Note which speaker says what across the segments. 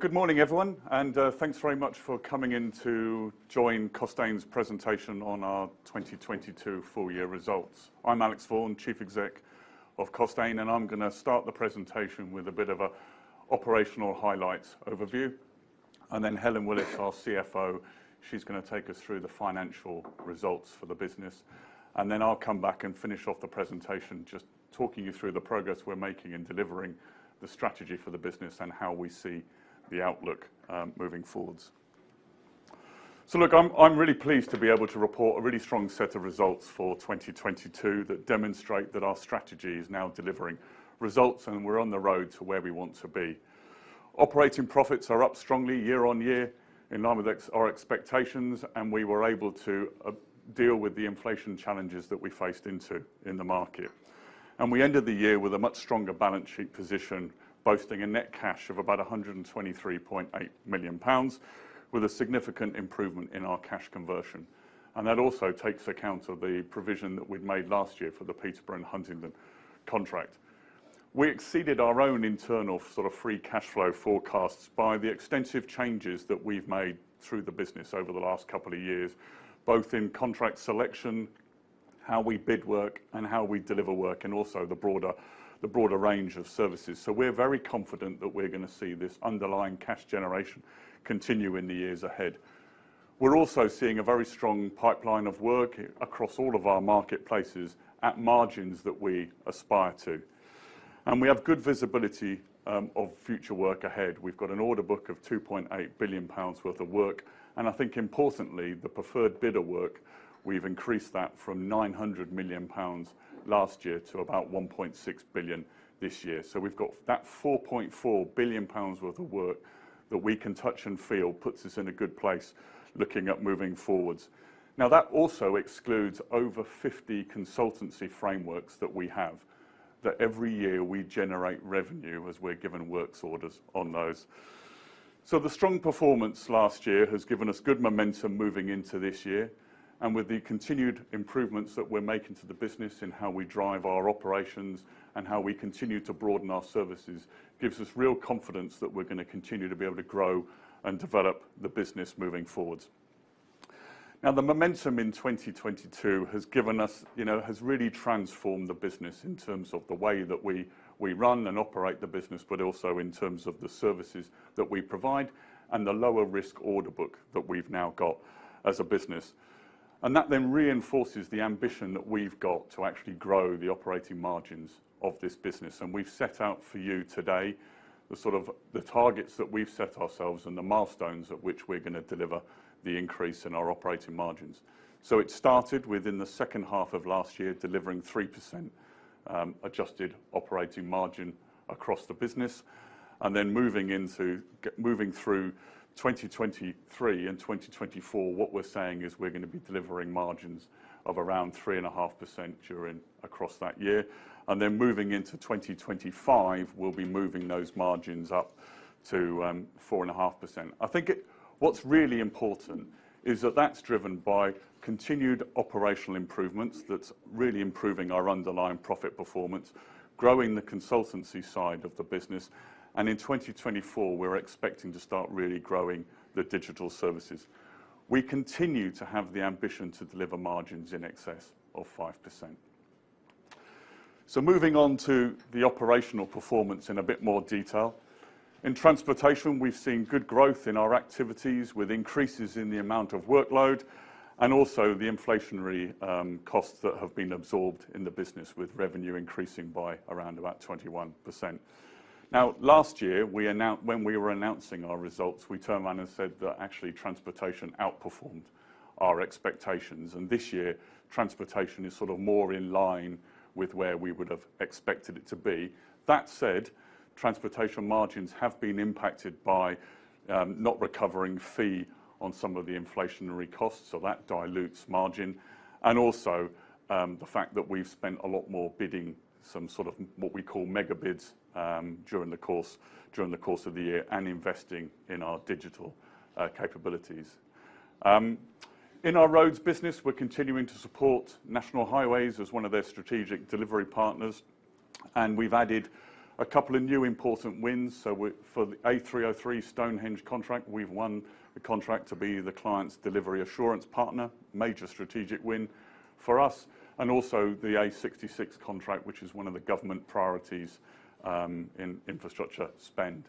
Speaker 1: Good morning, everyone, thanks very much for coming in to join Costain's presentation on our 2022 full year results. I'm Alex Vaughan, Chief Exec of Costain, I'm gonna start the presentation with a bit of a operational highlights overview. Helen Willis, our CFO, she's gonna take us through the financial results for the business. I'll come back and finish off the presentation, just talking you through the progress we're making in delivering the strategy for the business and how we see the outlook moving forwards. I'm really pleased to be able to report a really strong set of results for 2022 that demonstrate that our strategy is now delivering results and we're on the road to where we want to be. Operating profits are up strongly year-over-year, in line with our expectations, and we were able to deal with the inflation challenges that we faced into in the market. We ended the year with a much stronger balance sheet position, boasting a net cash of about 123.8 million pounds, with a significant improvement in our cash conversion. That also takes account of the provision that we'd made last year for the Peterborough and Huntingdon contract. We exceeded our own internal sort of free cash flow forecasts by the extensive changes that we've made through the business over the last couple of years, both in contract selection, how we bid work and how we deliver work, and also the broader range of services. We're very confident that we're gonna see this underlying cash generation continue in the years ahead. We're also seeing a very strong pipeline of work across all of our marketplaces at margins that we aspire to. We have good visibility of future work ahead. We've got an order book of 2.8 billion pounds worth of work. I think importantly, the preferred bidder work, we've increased that from 900 million pounds last year to about 1.6 billion this year. We've got that 4.4 billion pounds worth of work that we can touch and feel puts us in a good place looking at moving forwards. That also excludes over 50 consultancy frameworks that we have that every year we generate revenue as we're given works orders on those. The strong performance last year has given us good momentum moving into this year, and with the continued improvements that we're making to the business in how we drive our operations and how we continue to broaden our services, gives us real confidence that we're gonna continue to be able to grow and develop the business moving forward. The momentum in 2022 has given us, you know, has really transformed the business in terms of the way that we run and operate the business, but also in terms of the services that we provide and the lower risk order book that we've now got as a business. That reinforces the ambition that we've got to actually grow the operating margins of this business. We've set out for you today the sort of, the targets that we've set ourselves and the milestones at which we're gonna deliver the increase in our operating margins. It started within the second half of last year, delivering 3% adjusted operating margin across the business, then moving through 2023 and 2024, what we're saying is we're gonna be delivering margins of around 3.5% during across that year. Then moving into 2025, we'll be moving those margins up to 4.5%. What's really important is that that's driven by continued operational improvements that's really improving our underlying profit performance, growing the consultancy side of the business. In 2024, we're expecting to start really growing the digital services. We continue to have the ambition to deliver margins in excess of 5%. Moving on to the operational performance in a bit more detail. In transportation, we've seen good growth in our activities with increases in the amount of workload and also the inflationary costs that have been absorbed in the business with revenue increasing by around about 21%. Last year, when we were announcing our results, we turned around and said that actually transportation outperformed our expectations. This year, transportation is sort of more in line with where we would have expected it to be. That said, transportation margins have been impacted by not recovering fee on some of the inflationary costs, so that dilutes margin. Also, the fact that we've spent a lot more bidding some sort of what we call mega bids during the course of the year and investing in our digital capabilities. In our roads business, we're continuing to support National Highways as one of their strategic delivery partners, and we've added two new important wins. For the A303 Stonehenge contract, we've won the contract to be the client's delivery assurance partner, major strategic win for us. Also the A66 contract, which is one of the government priorities in infrastructure spend.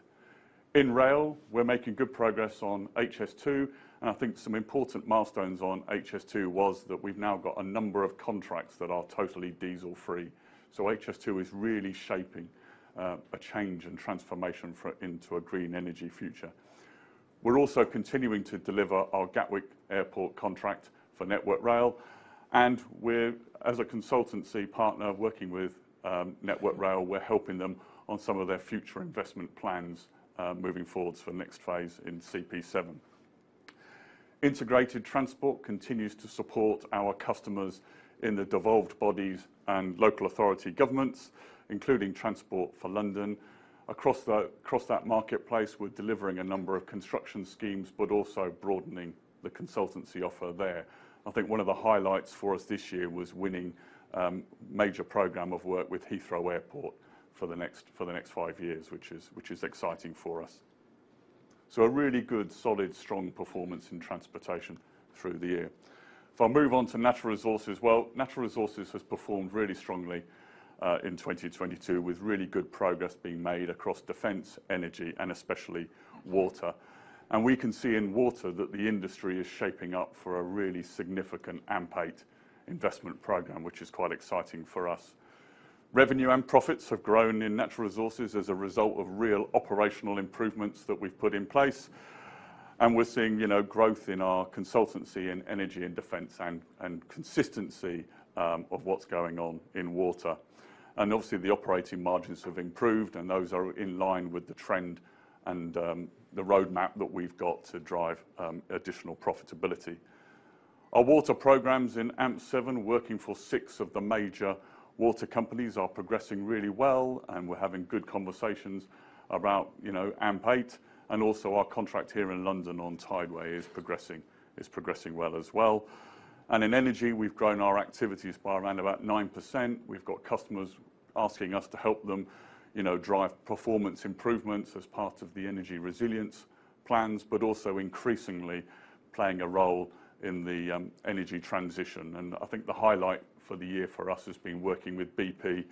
Speaker 1: In rail, we're making good progress on HS2, and I think some important milestones on HS2 was that we've now got a number of contracts that are totally diesel-free. HS2 is really shaping a change and transformation into a green energy future. We're also continuing to deliver our Gatwick Airport contract for Network Rail, and we're, as a consultancy partner working with Network Rail, we're helping them on some of their future investment plans, moving forwards for next phase in CP7. Integrated transport continues to support our customers in the devolved bodies and local authority governments, including Transport for London. Across that marketplace, we're delivering a number of construction schemes, but also broadening the consultancy offer there. I think one of the highlights for us this year was winning major program of work with Heathrow Airport for the next five years, which is exciting for us. A really good solid, strong performance in transportation through the year. If I move on to Natural Resources. Well, Natural Resources has performed really strongly in 2022, with really good progress being made across Defense, Energy and especially Water. We can see in Water that the industry is shaping up for a really significant AMP8 investment program, which is quite exciting for us. Revenue and profits have grown in Natural Resources as a result of real operational improvements that we've put in place. We're seeing, you know, growth in our consultancy and Energy and Defense and consistency of what's going on in Water. Obviously the operating margins have improved, and those are in line with the trend and the roadmap that we've got to drive additional profitability. Our Water programs in AMP7, working for six of the major water companies, are progressing really well, and we're having good conversations about, you know, AMP8. Also our contract here in London on Tideway is progressing well as well. In energy, we've grown our activities by around about 9%. We've got customers asking us to help them, you know, drive performance improvements as part of the energy resilience plans, but also increasingly playing a role in the energy transition. I think the highlight for the year for us has been working with BP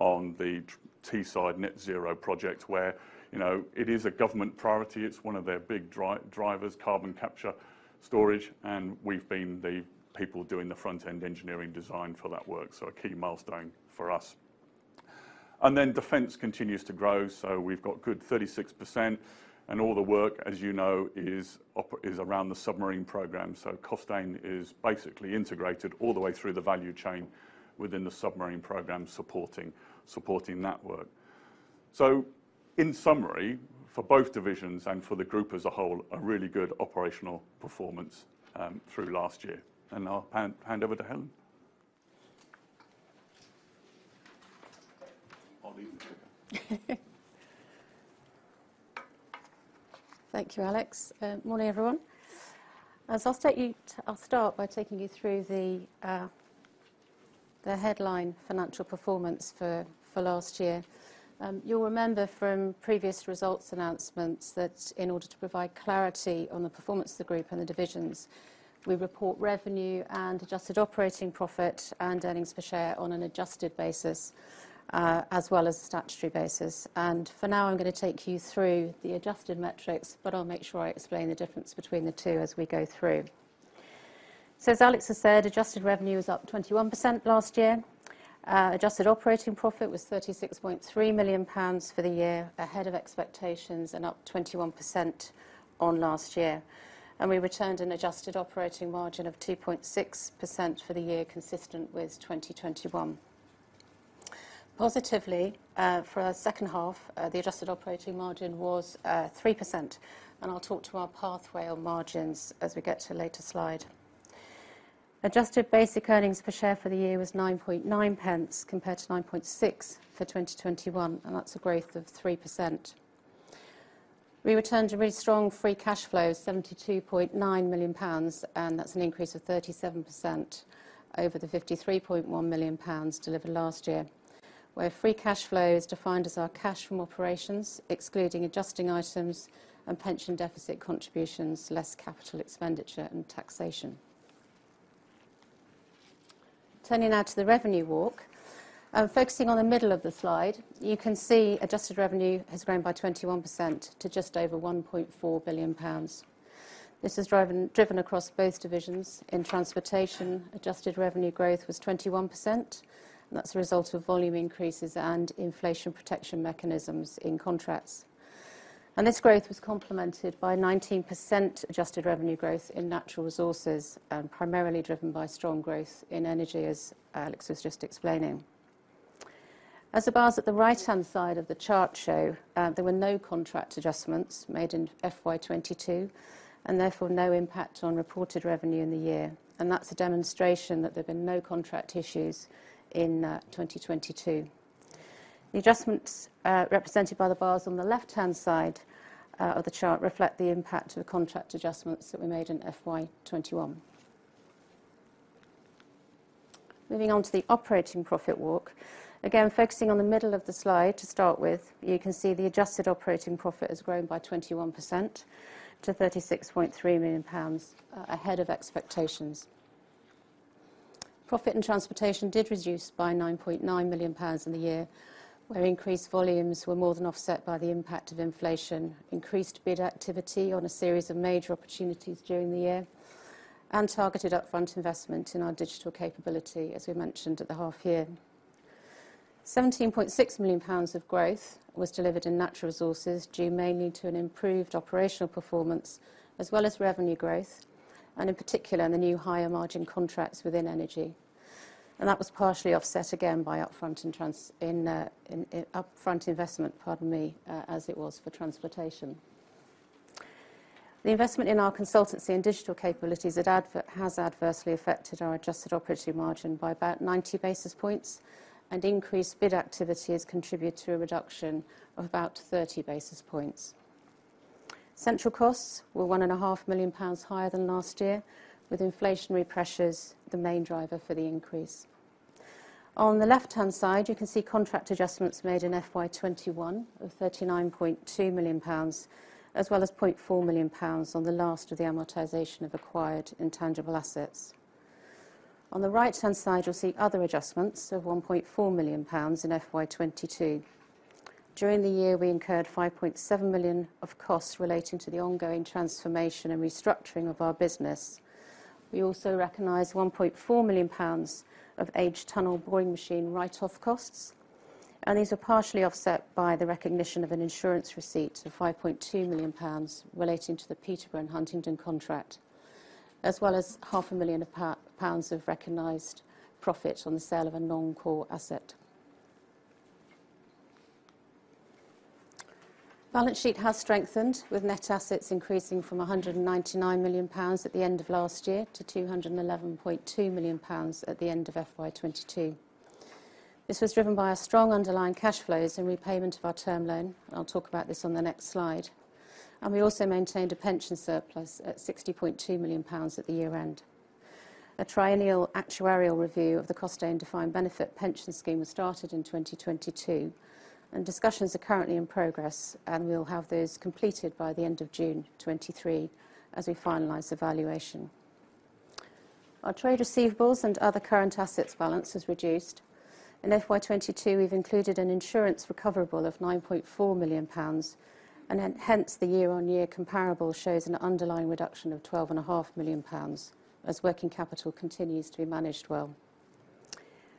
Speaker 1: on the Teesside Net Zero project where, you know, it is a government priority, it's one of their big drivers, Carbon Capture Storage, and we've been the people doing the Front-End Engineering Design for that work, so a key milestone for us. Then defense continues to grow, so we've got good 36%. All the work, as you know, is around the submarine program. Costain is basically integrated all the way through the value chain within the submarine program, supporting that work. In summary, for both divisions and for the group as a whole, a really good operational performance through last year. I'll hand over to Helen. I'll leave the clicker.
Speaker 2: Thank you, Alex. Morning, everyone. I'll start by taking you through the headline financial performance for last year. You'll remember from previous results announcements that in order to provide clarity on the performance of the group and the divisions, we report revenue and adjusted operating profit and earnings per share on an adjusted basis, as well as a statutory basis. For now, I'm gonna take you through the adjusted metrics, but I'll make sure I explain the difference between the two as we go through. As Alex has said, adjusted revenue was up 21% last year. Adjusted operating profit was 36.3 million pounds for the year, ahead of expectations and up 21% on last year. We returned an Adjusted operating margin of 2.6% for the year, consistent with 2021. Positively, for our second half, the Adjusted operating margin was 3%, and I'll talk to our pathway on margins as we get to a later slide. Adjusted basic earnings per share for the year was 9.9 pence, compared to 9.6 for 2021, and that's a growth of 3%. We returned a really strong free cash flow of 72.9 million pounds, and that's an increase of 37% over the 53.1 million pounds delivered last year, where free cash flow is defined as our cash from operations, excluding adjusting items and pension deficit contributions, less capital expenditure and taxation. Turning now to the revenue walk. Focusing on the middle of the slide, you can see adjusted revenue has grown by 21% to just over 1.4 billion pounds. This is driven across both divisions. In transportation, adjusted revenue growth was 21%, that's a result of volume increases and inflation protection mechanisms in contracts. This growth was complemented by 19% adjusted revenue growth in natural resources, primarily driven by strong growth in energy, as Alex was just explaining. As the bars at the right-hand side of the chart show, there were no contract adjustments made in FY22, therefore no impact on reported revenue in the year. That's a demonstration that there have been no contract issues in 2022. The adjustments, represented by the bars on the left-hand side of the chart reflect the impact of the contract adjustments that we made in FY21. Moving on to the operating profit walk. Again, focusing on the middle of the slide to start with, you can see the adjusted operating profit has grown by 21% to 36.3 million pounds, ahead of expectations. Profit in transportation did reduce by 9.9 million pounds in the year, where increased volumes were more than offset by the impact of inflation, increased bid activity on a series of major opportunities during the year, and targeted upfront investment in our digital capability, as we mentioned at the half year. 17.6 million pounds of growth was delivered in natural resources, due mainly to an improved operational performance as well as revenue growth, and in particular, in the new higher margin contracts within energy. That was partially offset again by upfront investment, pardon me, as it was for transportation. The investment in our consultancy and digital capabilities has adversely affected our adjusted operating margin by about 90 basis points, and increased bid activity has contributed to a reduction of about 30 basis points. Central costs were one and a half million pounds higher than last year, with inflationary pressures the main driver for the increase. On the left-hand side, you can see contract adjustments made in FY21 of 39.2 million pounds as well as 0.4 million pounds on the last of the amortization of acquired intangible assets. On the right-hand side, you'll see other adjustments of 1.4 million pounds in FY22. During the year, we incurred 5.7 million of costs relating to the ongoing transformation and restructuring of our business. We also recognized 1.4 million pounds of age tunnel boring machine write-off costs, and these are partially offset by the recognition of an insurance receipt of 5.2 million pounds relating to the Peterborough and Huntingdon contract, as well as half a million pounds of recognized profit on the sale of a non-core asset. Balance sheet has strengthened, with net assets increasing from 199 million pounds at the end of last year to 211.2 million pounds at the end of FY22. This was driven by our strong underlying cash flows and repayment of our term loan. I'll talk about this on the next slide. We also maintained a pension surplus at 60.2 million pounds at the year-end. A triennial actuarial review of the Costain Pension Scheme was started in 2022, and discussions are currently in progress. We'll have those completed by the end of June 2023 as we finalize the valuation. Our trade receivables and other current assets balance has reduced. In FY22, we've included an insurance recoverable of 9.4 million pounds. Hence, the year-on-year comparable shows an underlying reduction of twelve and a half million pounds as working capital continues to be managed well.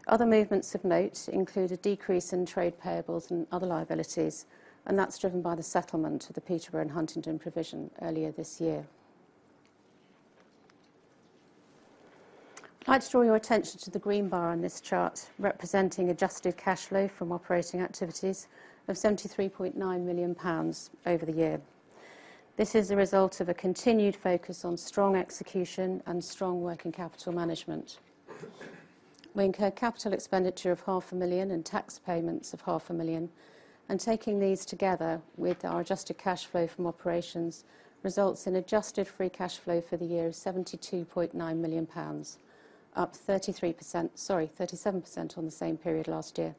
Speaker 2: Other movements of note include a decrease in trade payables and other liabilities. That's driven by the settlement of the Peterborough and Huntingdon provision earlier this year. I'd like to draw your attention to the green bar on this chart representing adjusted cash flow from operating activities of 73.9 million pounds over the year. This is a result of a continued focus on strong execution and strong working capital management. We incur capital expenditure of half a million GBP and tax payments of half a million GBP, taking these together with our adjusted cash flow from operations results in adjusted free cash flow for the year of 72.9 million pounds, up 37% on the same period last year.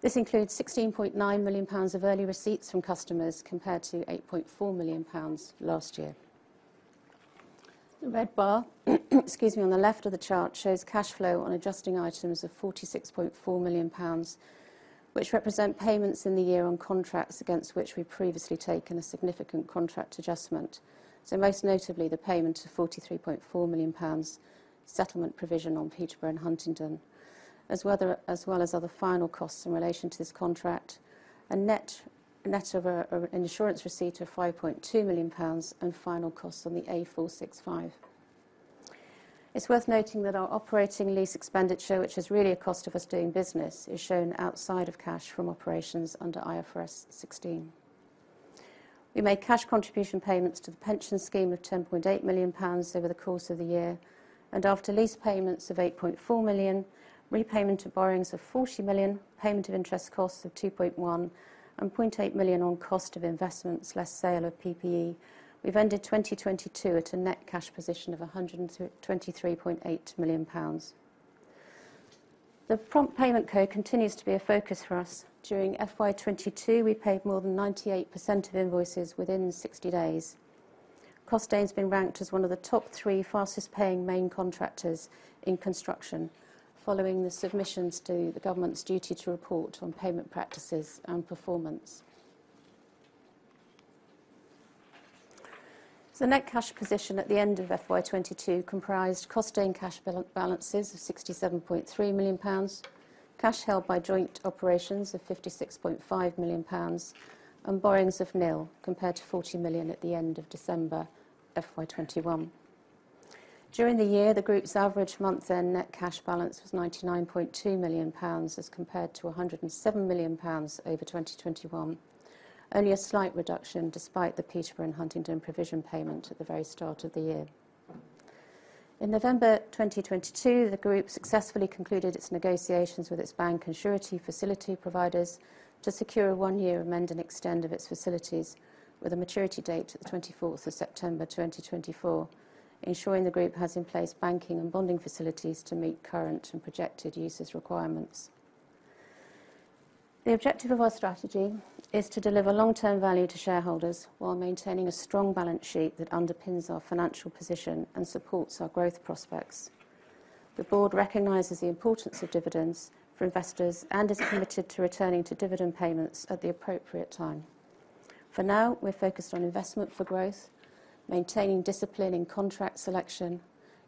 Speaker 2: This includes 16.9 million pounds of early receipts from customers compared to 8.4 million pounds last year. The red bar, excuse me, on the left of the chart shows cash flow on adjusting items of 46.4 million pounds, which represent payments in the year on contracts against which we've previously taken a significant contract adjustment. Most notably, the payment of 43.4 million pounds settlement provision on Peterborough and Huntingdon, as well as other final costs in relation to this contract and net of a insurance receipt of 5.2 million pounds and final costs on the A465. It's worth noting that our operating lease expenditure, which is really a cost of us doing business, is shown outside of cash from operations under IFRS 16. We made cash contribution payments to the pension scheme of 10.8 million pounds over the course of the year. After lease payments of 8.4 million, repayment of borrowings of 40 million payment of interest costs of 2.1 million and 0.8 million on cost of investments less sale of PPE. We've ended 2022 at a net cash position of 123.8 million pounds. The Prompt Payment Code continues to be a focus for us. During FY22, we paid more than 98% of invoices within 60 days. Costain has been ranked as one of the top three fastest paying main contractors in construction following the submissions to the government's duty to report on payment practices and performance. Net cash position at the end of FY22 comprised Costain cash balances of 67.3 million pounds, cash held by joint operations of 56.5 million pounds, and borrowings of nil compared to 40 million at the end of December FY21. During the year, the group's average month end net cash balance was 99.2 million pounds as compared to 107 million pounds over 2021. Only a slight reduction despite the Peterborough and Huntingdon provision payment at the very start of the year. In November 2022, the group successfully concluded its negotiations with its bank and surety facility providers to secure a one-year amend-and-extend of its facilities with a maturity date of the 24th of September 2024, ensuring the group has in place banking and bonding facilities to meet current and projected user's requirements. The objective of our strategy is to deliver long-term value to shareholders while maintaining a strong balance sheet that underpins our financial position and supports our growth prospects. The board recognizes the importance of dividends for investors and is committed to returning to dividend payments at the appropriate time. For now, we're focused on investment for growth, maintaining discipline in contract selection,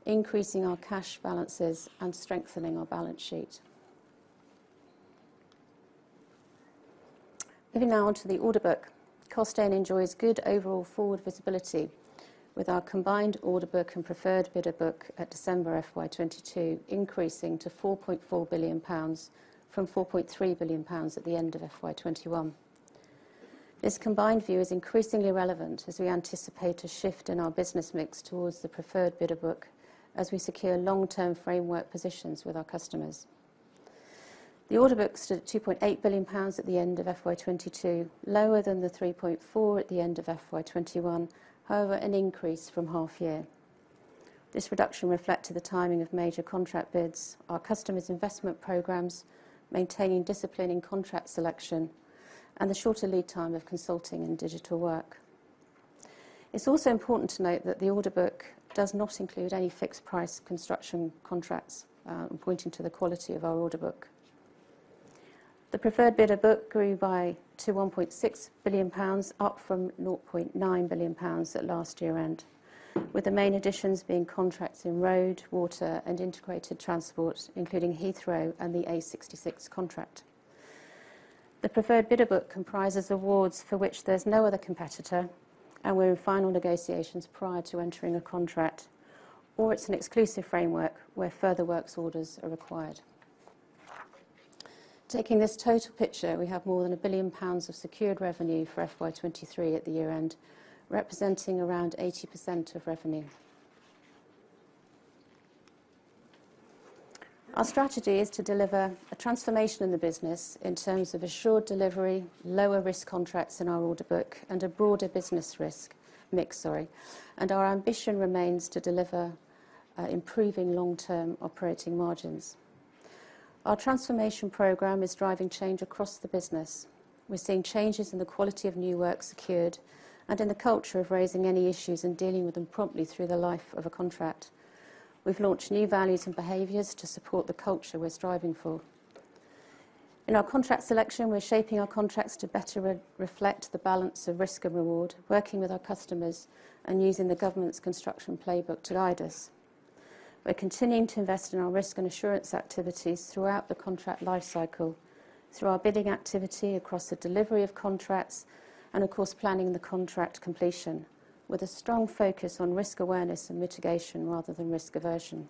Speaker 2: increasing our cash balances, and strengthening our balance sheet. Moving now on to the order book. Costain enjoys good overall forward visibility with our combined order book and preferred bidder book at December FY22 increasing to GBP 4.4 billion from GBP 4.3 billion at the end of FY21. This combined view is increasingly relevant as we anticipate a shift in our business mix towards the preferred bidder book as we secure long-term framework positions with our customers. The order book stood at 2.8 billion pounds at the end of FY22, lower than the 3.4 billion at the end of FY21, however, an increase from half year. This reduction reflected the timing of major contract bids, our customers' investment programs maintaining discipline in contract selection, and the shorter lead time of consulting and digital work. It's also important to note that the order book does not include any fixed price construction contracts, pointing to the quality of our order book. The preferred bidder book grew by to 1.6 billion pounds, up from 0.9 billion pounds at last year-end, with the main additions being contracts in road, water, and integrated transport, including Heathrow and the A66 contract. The preferred bidder book comprises awards for which there's no other competitor, and we're in final negotiations prior to entering a contract or it's an exclusive framework where further works orders are required. Taking this total picture we have more than 1 billion pounds of secured revenue for FY23 at the year-end representing around 80% of revenue. Our strategy is to deliver a transformation in the business in terms of assured delivery lower risk contracts in our order book, and a broader business risk. Mix, sorry. Our ambition remains to deliver improving long-term operating margins. Our transformation program is driving change across the business. We're seeing changes in the quality of new work secured and in the culture of raising any issues and dealing with them promptly through the life of a contract. We've launched new values and behaviors to support the culture we're striving for. In our contract selection, we're shaping our contracts to better re-reflect the balance of risk and reward, working with our customers and using the government's Construction Playbook to guide us. We're continuing to invest in our risk and assurance activities throughout the contract life cycle through our bidding activity across the delivery of contracts, and of course planning the contract completion with a strong focus on risk awareness and mitigation rather than risk aversion.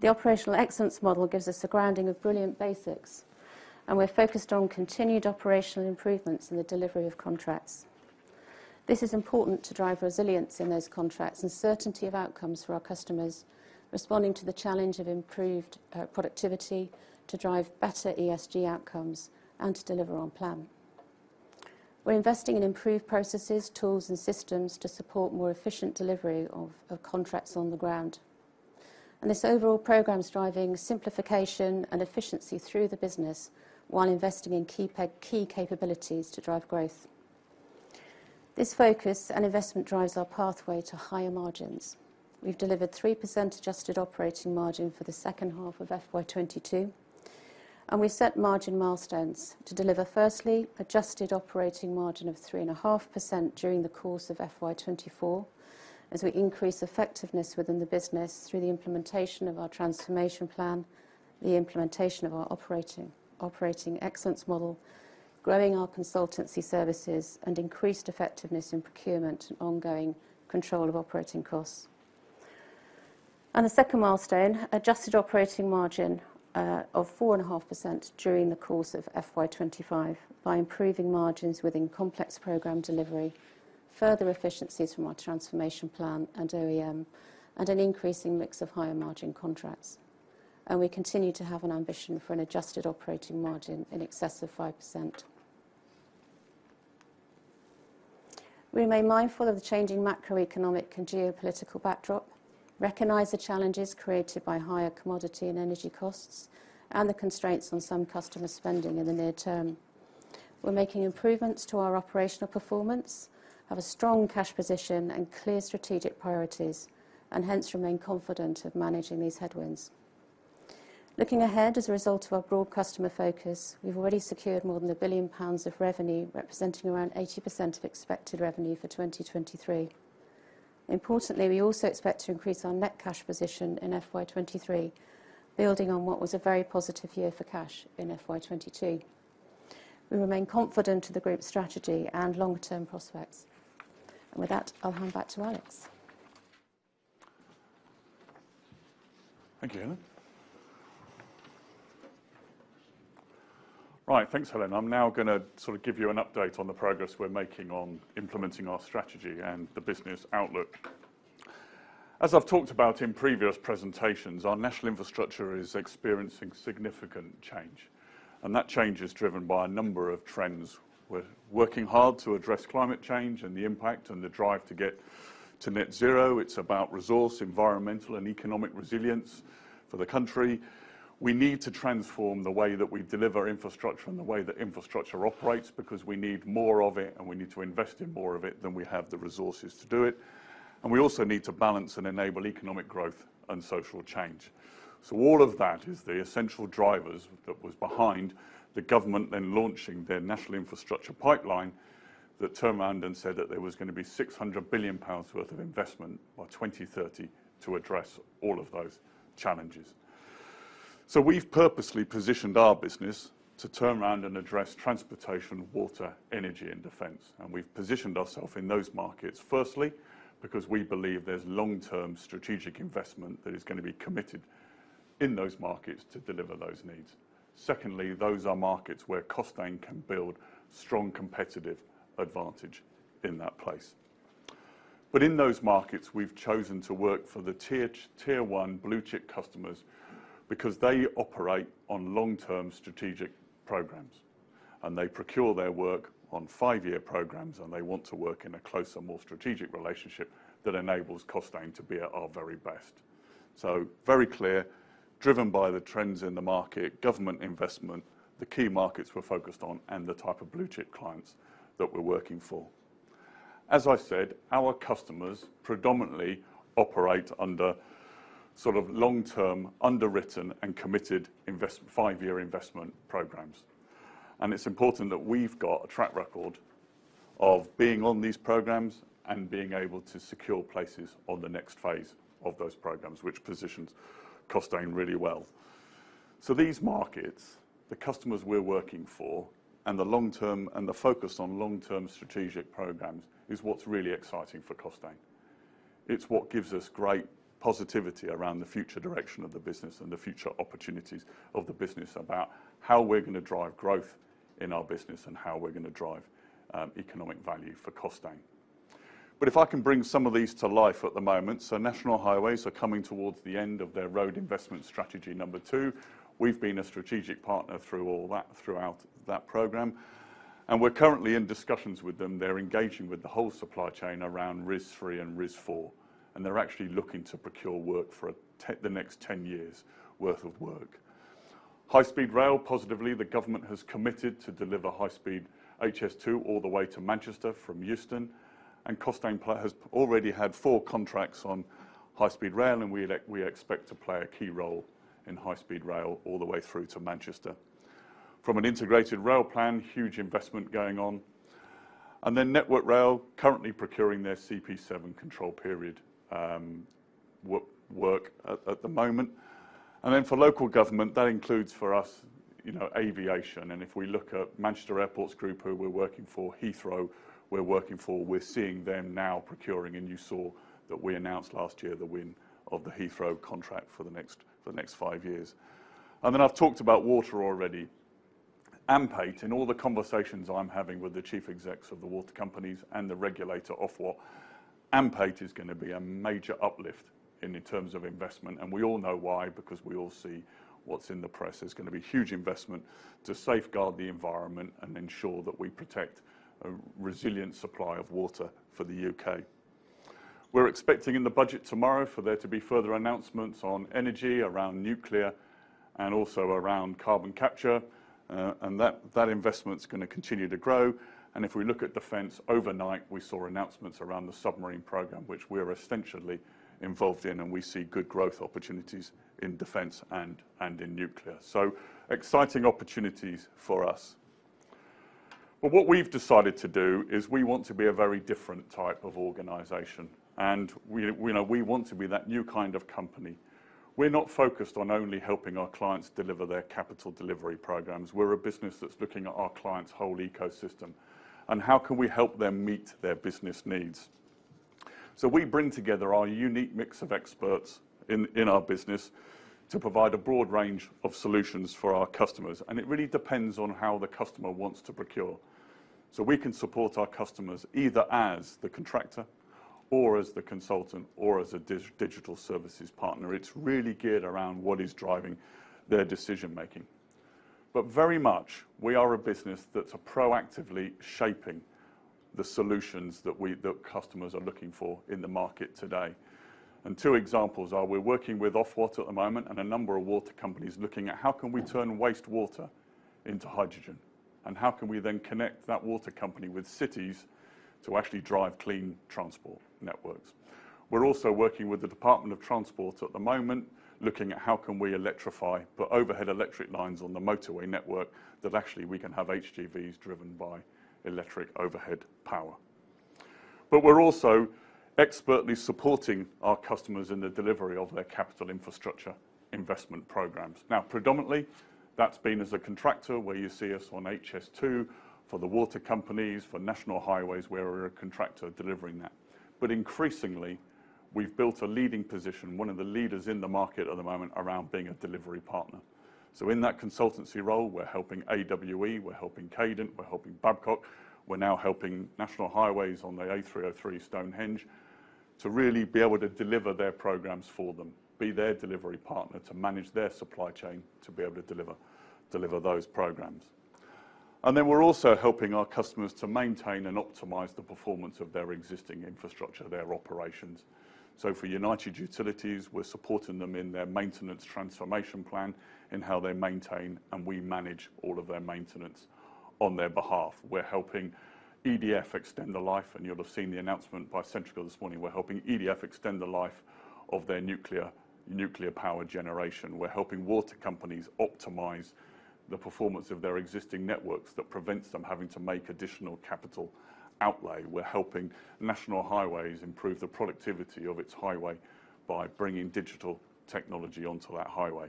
Speaker 2: The Operational Excellence Model gives us a grounding of brilliant basics, and we're focused on continued operational improvements in the delivery of contracts. This is important to drive resilience in those contracts and certainty of outcomes for our customers, responding to the challenge of improved productivity to drive better ESG outcomes and to deliver on plan. We're investing in improved processes, tools, and systems to support more efficient delivery of contracts on the ground. This overall program is driving simplification and efficiency through the business while investing in key capabilities to drive growth. This focus and investment drives our pathway to higher margins. We've delivered 3% adjusted operating margin for the second half of FY22. We set margin milestones to deliver, firstly, adjusted operating margin of 3.5% during the course of FY24 as we increase effectiveness within the business through the implementation of our transformation plan the implementation of our Operational Excellence Model, growing our consultancy services, and increased effectiveness in procurement and ongoing control of operating costs. The second milestone, adjusted operating margin, of 4.5% during the course of FY25 by improving margins within complex program delivery, further efficiencies from our transformation plan and OEM and an increasing mix of higher margin contracts. We continue to have an ambition for an adjusted operating margin in excess of 5%. We remain mindful of the changing macroeconomic and geopolitical backdrop, recognize the challenges created by higher commodity and energy costs, and the constraints on some customer spending in the near term. We're making improvements to our operational performance, have a strong cash position and clear strategic priorities, and hence remain confident of managing these headwinds. Looking ahead, as a result of our broad customer focus, we've already secured more than 1 billion pounds of revenue, representing around 80% of expected revenue for 2023. Importantly, we also expect to increase our net cash position in FY23 building on what was a very positive year for cash in FY22. We remain confident of the group's strategy and long-term prospects. With that, I'll hand back to Alex.
Speaker 1: Thank you, Helen. Right. Thanks, Helen. I'm now going to give you an update on the progress we're making on implementing our strategy and the business outlook. As I've talked about in previous presentations our national infrastructure is experiencing significant change. That change is driven by a number of trends. We're working hard to address climate change and the impact and the drive to get to net zero. It's about resource, environmental, and economic resilience for the country. We need to transform the way that we deliver infrastructure and the way that infrastructure operates because we need more of it. We need to invest in more of it than we have the resources to do it. We also need to balance and enable economic growth and social change. All of that is the essential drivers that was behind the government then launching their National Infrastructure Pipeline that turned around and said that there was gonna be 600 billion pounds worth of investment by 2030 to address all of those challenges. We've purposely positioned our business to turn around and address transportation, water, energy, and defense. We've positioned ourself in those markets firstly because we believe there's long-term strategic investment that is gonna be committed in those markets to deliver those needs. Secondly, those are markets where Costain can build strong competitive advantage in that place. But in those markets, we've chosen to work for the tier one blue-chip customers because they operate on long-term strategic programs and they procure their work on five-year programs and they want to work in a closer, more strategic relationship that enables Costain to be at our very best. Very clear driven by the trends in the market, government investment, the key markets we're focused on, and the type of blue-chip clients that we're working for. As I said, our customers predominantly operate under sort of long-term, underwritten, and committed five-year investment programs. It's important that we've got a track record of being on these programs and being able to secure places on the next phase of those programs which positions Costain really well. These markets, the customers we're working for, and the focus on long-term strategic programs is what's really exciting for Costain. It's what gives us great positivity around the future direction of the business and the future opportunities of the business about how we're gonna drive growth in our business and how we're gonna drive economic value for Costain. If I can bring some of these to life at the moment, National Highways are coming towards the end of their Road Investment Strategy 2. We've been a strategic partner through all that, throughout that program, and we're currently in discussions with them. They're engaging with the whole supply chain around RIS3 and RIS4, and they're actually looking to procure work for the next 10 years worth of work. High-speed rail, positively, the government has committed to deliver high speed HS2 all the way to Manchester from Euston. Costain has already had four contracts on high-speed rail, we expect to play a key role in high-speed rail all the way through to Manchester. From an Integrated Rail Plan, huge investment going on. Network Rail currently procuring their CP7 control period work at the moment. For local government, that includes for us, you know, aviation. If we look at Manchester Airports Group, who we're working for, Heathrow, we're working for, we're seeing them now procuring, you saw that we announced last year the win of the Heathrow contract for the next five years. I've talked about water already. AMP8, in all the conversations I'm having with the chief execs of the water companies and the regulator Ofwat, AMP8 is gonna be a major uplift in terms of investment. We all know why, because we all see what's in the press. There's gonna be huge investment to safeguard the environment and ensure that we protect a resilient supply of water for the U.K. We're expecting in the budget tomorrow for there to be further announcements on energy around nuclear and also around carbon capture, and that investment is gonna continue to grow. If we look at defense, overnight, we saw announcements around the submarine program, which we're essentially involved in, and we see good growth opportunities in defense and in nuclear. Exciting opportunities for us. What we've decided to do is we want to be a very different type of organization, and we, you know, we want to be that new kind of company. We're not focused on only helping our clients deliver their capital delivery programs. We're a business that's looking at our clients' whole ecosystem and how can we help them meet their business needs. We bring together our unique mix of experts in our business to provide a broad range of solutions for our customers. It really depends on how the customer wants to procure. We can support our customers either as the contractor or as the consultant or as a digital services partner. It's really geared around what is driving their decision-making. Very much, we are a business that are proactively shaping the solutions that customers are looking for in the market today. Two examples are we're working with Ofwat at the moment and a number of water companies looking at how can we turn wastewater into hydrogen, and how can we then connect that water company with cities to actually drive clean transport networks. We're also working with the Department for Transport at the moment, looking at how can we electrify the overhead electric lines on the motorway network that actually we can have HGVs driven by electric overhead power. We're also expertly supporting our customers in the delivery of their capital infrastructure investment programs. Predominantly, that's been as a contractor where you see us on HS2, for the water companies, for National Highways, where we're a contractor delivering that. Increasingly, we've built a leading position, one of the leaders in the market at the moment around being a delivery partner. In that consultancy role, we're helping AWE, we're helping Cadent, we're helping Babcock, we're now helping National Highways on the A303 Stonehenge to really be able to deliver their programs for them, be their delivery partner to manage their supply chain to be able to deliver those programs. Then we're also helping our customers to maintain and optimize the performance of their existing infrastructure, their operations. For United Utilities, we're supporting them in their maintenance transformation plan in how they maintain, and we manage all of their maintenance on their behalf. We're helping EDF extend the life, and you'll have seen the announcement by Centrica this morning. We're helping EDF extend the life of their nuclear power generation. We're helping water companies optimize the performance of their existing networks that prevents them having to make additional capital outlay. We're helping National Highways improve the productivity of its highway by bringing digital technology onto that highway.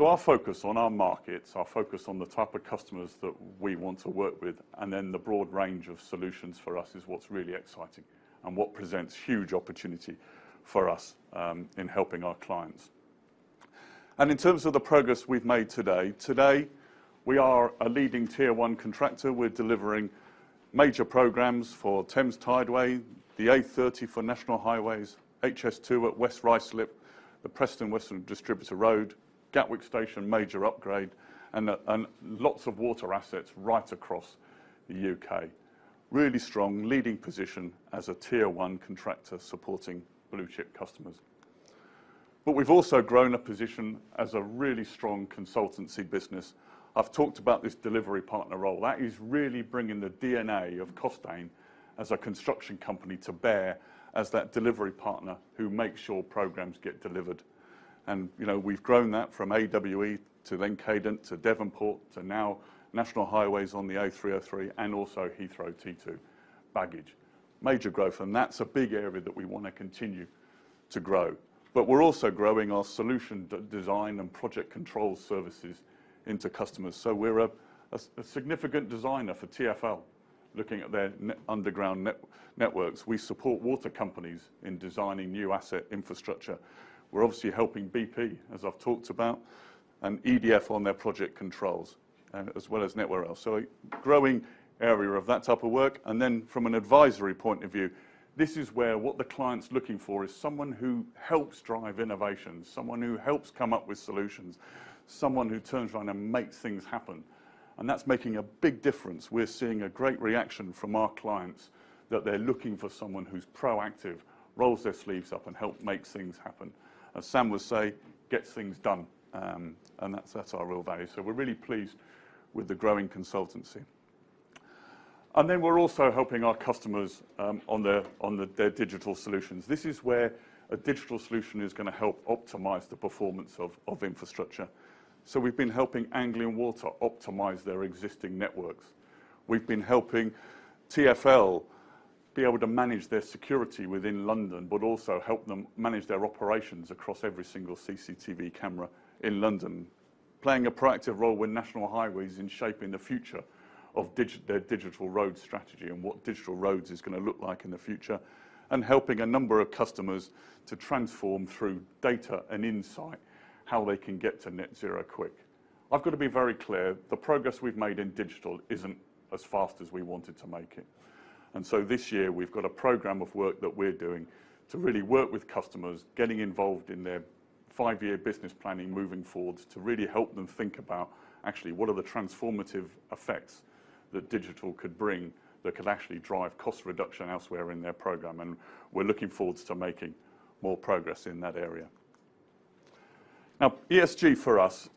Speaker 1: Our focus on our markets, our focus on the type of customers that we want to work with, and then the broad range of solutions for us is what's really exciting and what presents huge opportunity for us in helping our clients. In terms of the progress we've made today, we are a leading tier one contractor. We're delivering major programs for Thames Tideway, the A30 for National Highways, HS2 at West Ruislip, the Preston Western Distributor Road, Gatwick Station major upgrade, and lots of water assets right across the UK. Really strong leading position as a tier one contractor supporting blue-chip customers. We've also grown a position as a really strong consultancy business. I've talked about this delivery partner role. That is really bringing the DNA of Costain as a construction company to bear as that delivery partner who makes sure programs get delivered. You know, we've grown that from AWE to then Cadent, to Devonport, to now National Highways on the A303 and also Heathrow T2 baggage. Major growth. That's a big area that we wanna continue to grow. We're also growing our solution de-design and project control services into customers. We're a significant designer for TfL, looking at their underground networks. We support water companies in designing new asset infrastructure. We're obviously helping BP, as I've talked about, and EDF on their project controls and as well as Network Rail. A growing area of that type of work. From an advisory point of view, this is where what the client's looking for is someone who helps drive innovation, someone who helps come up with solutions, someone who turns around and makes things happen. That's making a big difference. We're seeing a great reaction from our clients that they're looking for someone who's proactive, rolls their sleeves up and help make things happen. As Sam would say, "Gets things done." That's, that's our real value. We're really pleased with the growing consultancy. We're also helping our customers on their, on their digital solutions. This is where a digital solution is gonna help optimize the performance of infrastructure. We've been helping Anglian Water optimize their existing networks. We've been helping TfL be able to manage their security within London, but also help them manage their operations across every single CCTV camera in London. Playing a proactive role with National Highways in shaping the future of their digital road strategy and what digital roads is gonna look like in the future, and helping a number of customers to transform through data and insight how they can get to net zero quick. I've got to be very clear, the progress we've made in digital isn't as fast as we wanted to make it. This year we've got a program of work that we're doing to really work with customers, getting involved in their five-year business planning moving forward to really help them think about actually what are the transformative effects that digital could bring that could actually drive cost reduction elsewhere in their program. We're looking forwards to making more progress in that area. ESG for us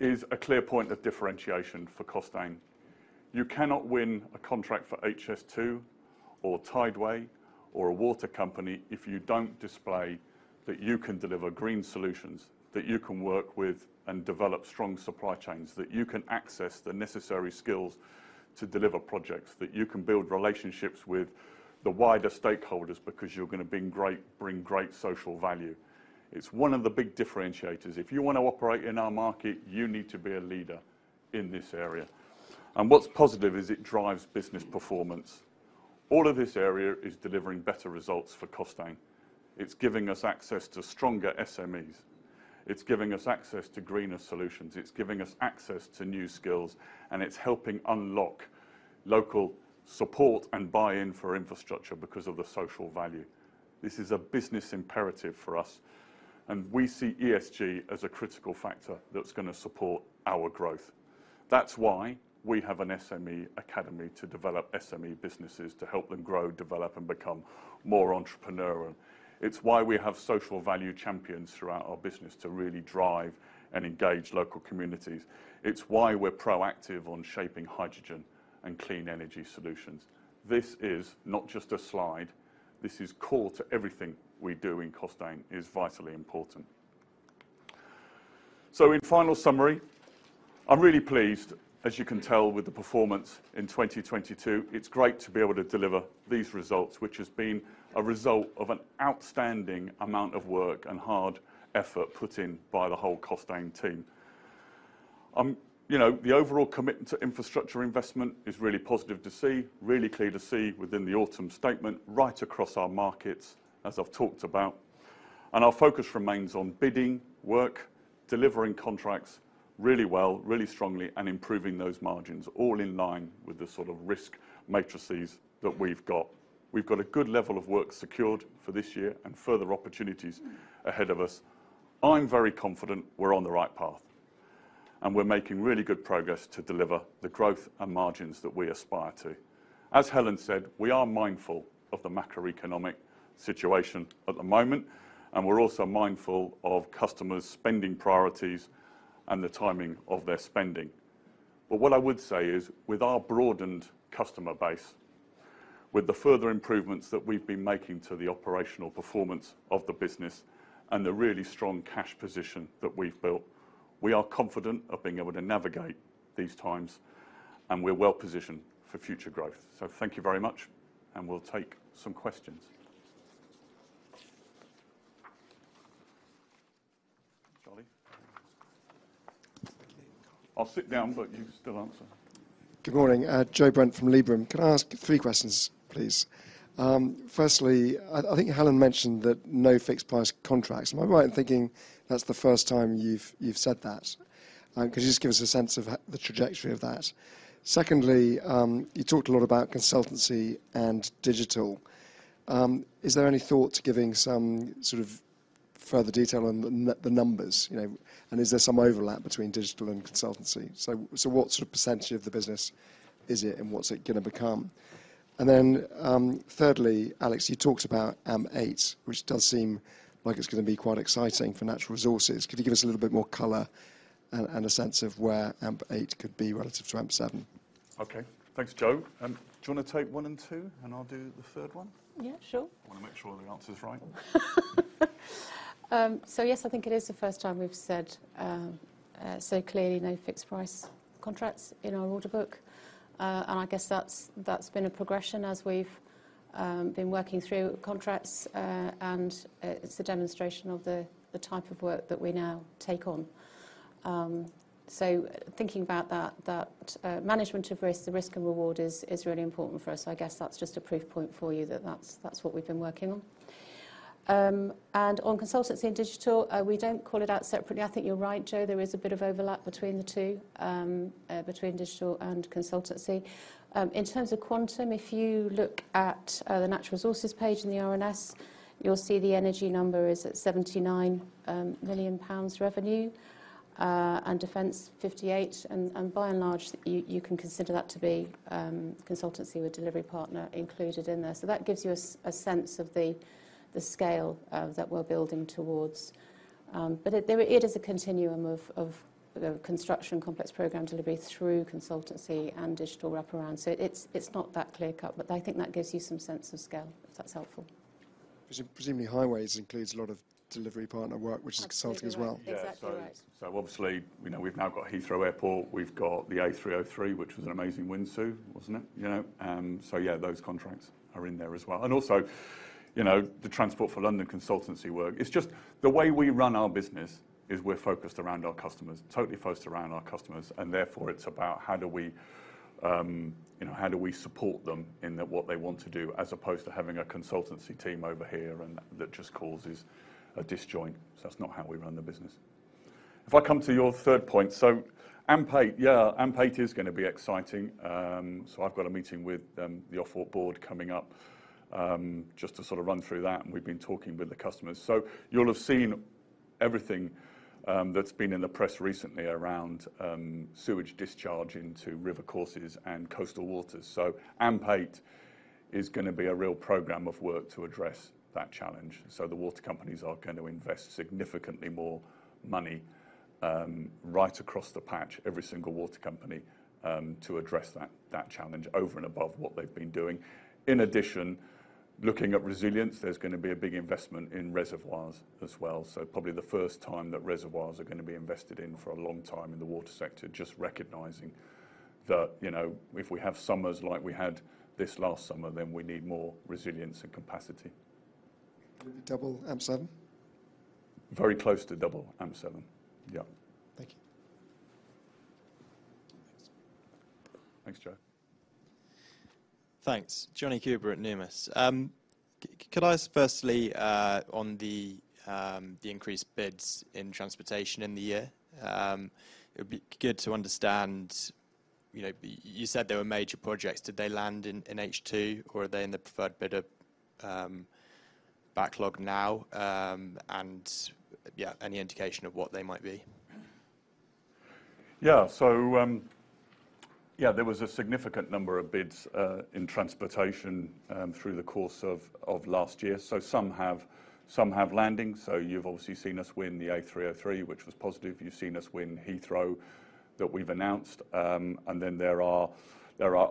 Speaker 1: is a clear point of differentiation for Costain. You cannot win a contract for HS2 or Tideway or a water company if you don't display that you can deliver green solutions, that you can work with and develop strong supply chains, that you can access the necessary skills to deliver projects, that you can build relationships with the wider stakeholders because you're gonna bring great social value. It's one of the big differentiators. If you wanna operate in our market, you need to be a leader in this area. What's positive is it drives business performance. All of this area is delivering better results for Costain. It's giving us access to stronger SMEs. It's giving us access to greener solutions. It's giving us access to new skills, it's helping unlock local support and buy-in for infrastructure because of the social value. This is a business imperative for us, we see ESG as a critical factor that's gonna support our growth. That's why we have an SME academy to develop SME businesses to help them grow, develop, and become more entrepreneurial. It's why we have social value champions throughout our business to really drive and engage local communities. It's why we're proactive on shaping hydrogen and clean energy solutions. This is not just a slide. This is core to everything we do in Costain. It is vitally important. In final summary, I'm really pleased, as you can tell, with the performance in 2022. It's great to be able to deliver these results, which has been a result of an outstanding amount of work and hard effort put in by the whole Costain team. you know, the overall commitment to infrastructure investment is really positive to see, really clear to see within the Autumn Statement right across our markets, as I've talked about. Our focus remains on bidding work, delivering contracts really well, really strongly, and improving those margins all in line with the sort of risk matrices that we've got. We've got a good level of work secured for this year and further opportunities ahead of us. I'm very confident we're on the right path, and we're making really good progress to deliver the growth and margins that we aspire to. As Helen said, we are mindful of the macroeconomic situation at the moment, and we're also mindful of customers' spending priorities and the timing of their spending. What I would say is, with our broadened customer base, with the further improvements that we've been making to the operational performance of the business and the really strong cash position that we've built, we are confident of being able to navigate these times, and we're well positioned for future growth. Thank you very much, and we'll take some questions. Charlie? I'll sit down, but you can still answer.
Speaker 3: Good morning. Joe Brent from Liberum. Can I ask three questions, please? Firstly, I think Helen mentioned that no fixed price contracts. Am I right in thinking that's the first time you've said that? Could you just give us a sense of the trajectory of that? Secondly, you talked a lot about consultancy and digital. Is there any thought to giving some sort of further detail on the numbers, you know? Is there some overlap between digital and consultancy? What sort of percent of the business is it, and what's it gonna become? Thirdly, Alex, you talked about AMP8, which does seem like it's gonna be quite exciting for natural resources. Could you give us a little bit more color and a sense of where AMP8 could be relative to AMP7?
Speaker 1: Okay. Thanks, Joe. Do you wanna take one and two, and I'll do the third one?
Speaker 2: Yeah, sure.
Speaker 1: Wanna make sure the answer's right.
Speaker 2: Yes, I think it is the first time we've said clearly no fixed price contracts in our order book. I guess that's been a progression as we've been working through contracts. It's the demonstration of the type of work that we now take on. Thinking about that management of risk, the risk and reward is really important for us. I guess that's just a proof point for you that that's what we've been working on. On consultancy and digital, we don't call it out separately. I think you're right, Joe. There is a bit of overlap between the two, between digital and consultancy. In terms of quantum, if you look at the natural resources page in the RNS, you'll see the energy number is at 79 million pounds revenue, and defense 58 million. By and large, you can consider that to be consultancy with delivery partner included in there. That gives you a sense of the scale that we're building towards. It is a continuum of the construction complex program delivery through consultancy and digital wraparound. It's not that clear-cut, but I think that gives you some sense of scale, if that's helpful.
Speaker 3: presumably highways includes a lot of delivery partner work, which is consultancy as well.
Speaker 2: Absolutely right. Exactly right.
Speaker 1: Obviously, you know, we've now got Heathrow Airport. We've got the A303, which was an amazing win too, wasn't it? You know, those contracts are in there as well. You know, the Transport for London consultancy work. It's just the way we run our business is we're focused around our customers, totally focused around our customers. It's about how do we, you know, how do we support them in what they want to do, as opposed to having a consultancy team over here and that just causes a disjoint. That's not how we run the business. If I come to your third point, AMP8 is gonna be exciting. I've got a meeting with the Ofwat board coming up, just to sort of run through that. We've been talking with the customers. You'll have seen everything that's been in the press recently around sewage discharge into river courses and coastal waters. AMP8 is gonna be a real program of work to address that challenge. The water companies are going to invest significantly more money right across the patch, every single water company, to address that challenge over and above what they've been doing. In addition, looking at resilience, there's gonna be a big investment in reservoirs as well. Probably the first time that reservoirs are gonna be invested in for a long time in the water sector, just recognizing that, you know, if we have summers like we had this last summer, then we need more resilience and capacity.
Speaker 3: Will it double AMP7?
Speaker 1: Very close to double AMP7. Yeah.
Speaker 3: Thank you.
Speaker 1: Thanks, Joe.
Speaker 4: Thanks. Jonny Kuba at Numis. Could I ask firstly, on the increased bids in transportation in the year? It would be good to understand, you know, you said there were major projects. Did they land in H2, or are they in the preferred bidder, backlog now? Yeah, any indication of what they might be?
Speaker 1: Yeah. Yeah, there was a significant number of bids in transportation through the course of last year. Some have landing. You've obviously seen us win the A303, which was positive. You've seen us win Heathrow that we've announced. There are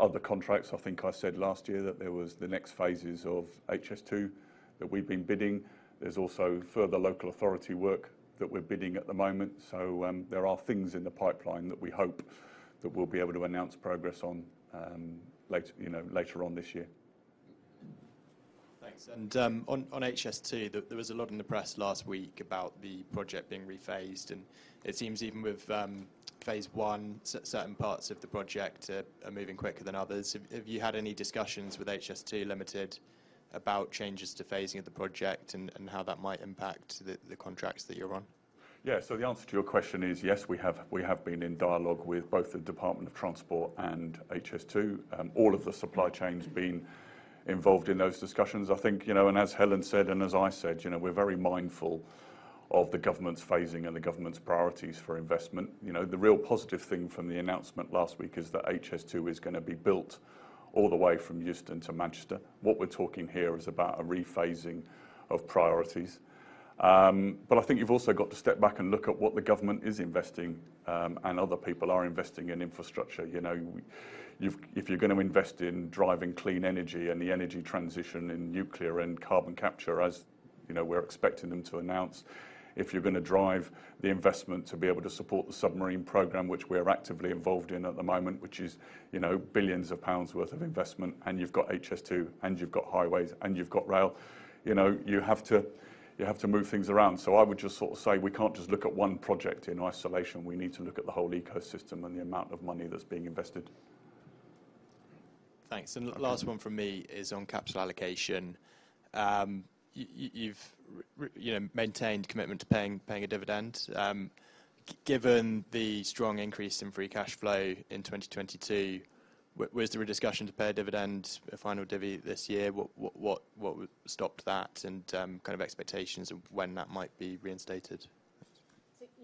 Speaker 1: other contracts. I think I said last year that there was the next phases of HS2 that we've been bidding. There's also further local authority work that we're bidding at the moment. There are things in the pipeline that we hope that we'll be able to announce progress on later, you know, later on this year.
Speaker 4: Thanks. On HS2, there was a lot in the press last week about the project being rephased, and it seems even with phase I, certain parts of the project are moving quicker than others. Have you had any discussions with HS2 Limited about changes to phasing of the project and how that might impact the contracts that you're on?
Speaker 1: Yeah. The answer to your question is yes, we have been in dialogue with both the Department for Transport and HS2. All of the supply chain's been involved in those discussions. I think, you know, and as Helen said, and as I said, you know, we're very mindful of the government's phasing and the government's priorities for investment. The real positive thing from the announcement last week is that HS2 is gonna be built all the way from Euston to Manchester. What we're talking here is about a rephasing of priorities. I think you've also got to step back and look at what the government is investing and other people are investing in infrastructure. You know, if you're gonna invest in driving clean energy and the energy transition in nuclear and carbon capture, as, you know, we're expecting them to announce, if you're gonna drive the investment to be able to support the submarine program, which we're actively involved in at the moment, which is, you know, billions of GBP worth of investment, and you've got HS2, and you've got highways, and you've got rail, you know, you have to move things around. I would just sort of say, we can't just look at one project in isolation. We need to look at the whole ecosystem and the amount of money that's being invested.
Speaker 4: Thanks. The last one from me is on capital allocation. You've you know, maintained commitment to paying a dividend. Given the strong increase in free cash flow in 2022, was there a discussion to pay a dividend, a final divvy this year? What stopped that, and kind of expectations of when that might be reinstated?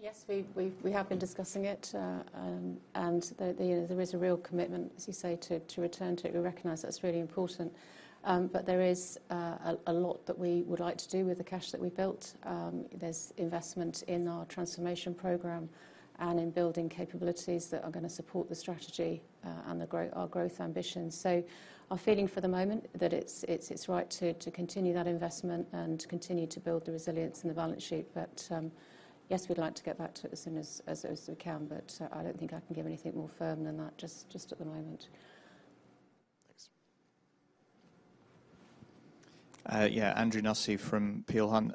Speaker 2: Yes, we've, we have been discussing it. You know, there is a real commitment, as you say, to return to it. We recognize that's really important. There is a lot that we would like to do with the cash that we built. There's investment in our transformation program and in building capabilities that are gonna support the strategy and our growth ambitions. Our feeling for the moment that it's right to continue that investment and to continue to build the resilience in the balance sheet. Yes, we'd like to get back to it as soon as we can, but I don't think I can give anything more firm than that at the moment.
Speaker 4: Thanks.
Speaker 5: Yeah, Andrew Nussey from Peel Hunt.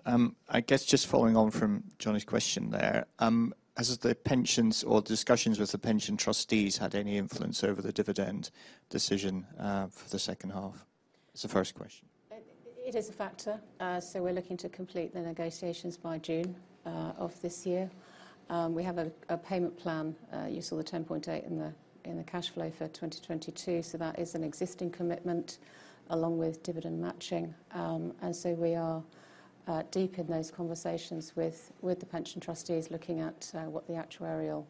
Speaker 5: I guess just following on from Jonny's question there, has the pensions or discussions with the pension trustees had any influence over the dividend decision for the second half? It's the first question.
Speaker 2: It is a factor. We're looking to complete the negotiations by June of this year. We have a payment plan. You saw the 10.8 in the cash flow for 2022, that is an existing commitment along with dividend matching. We are deep in those conversations with the pension trustees, looking at what the actuarial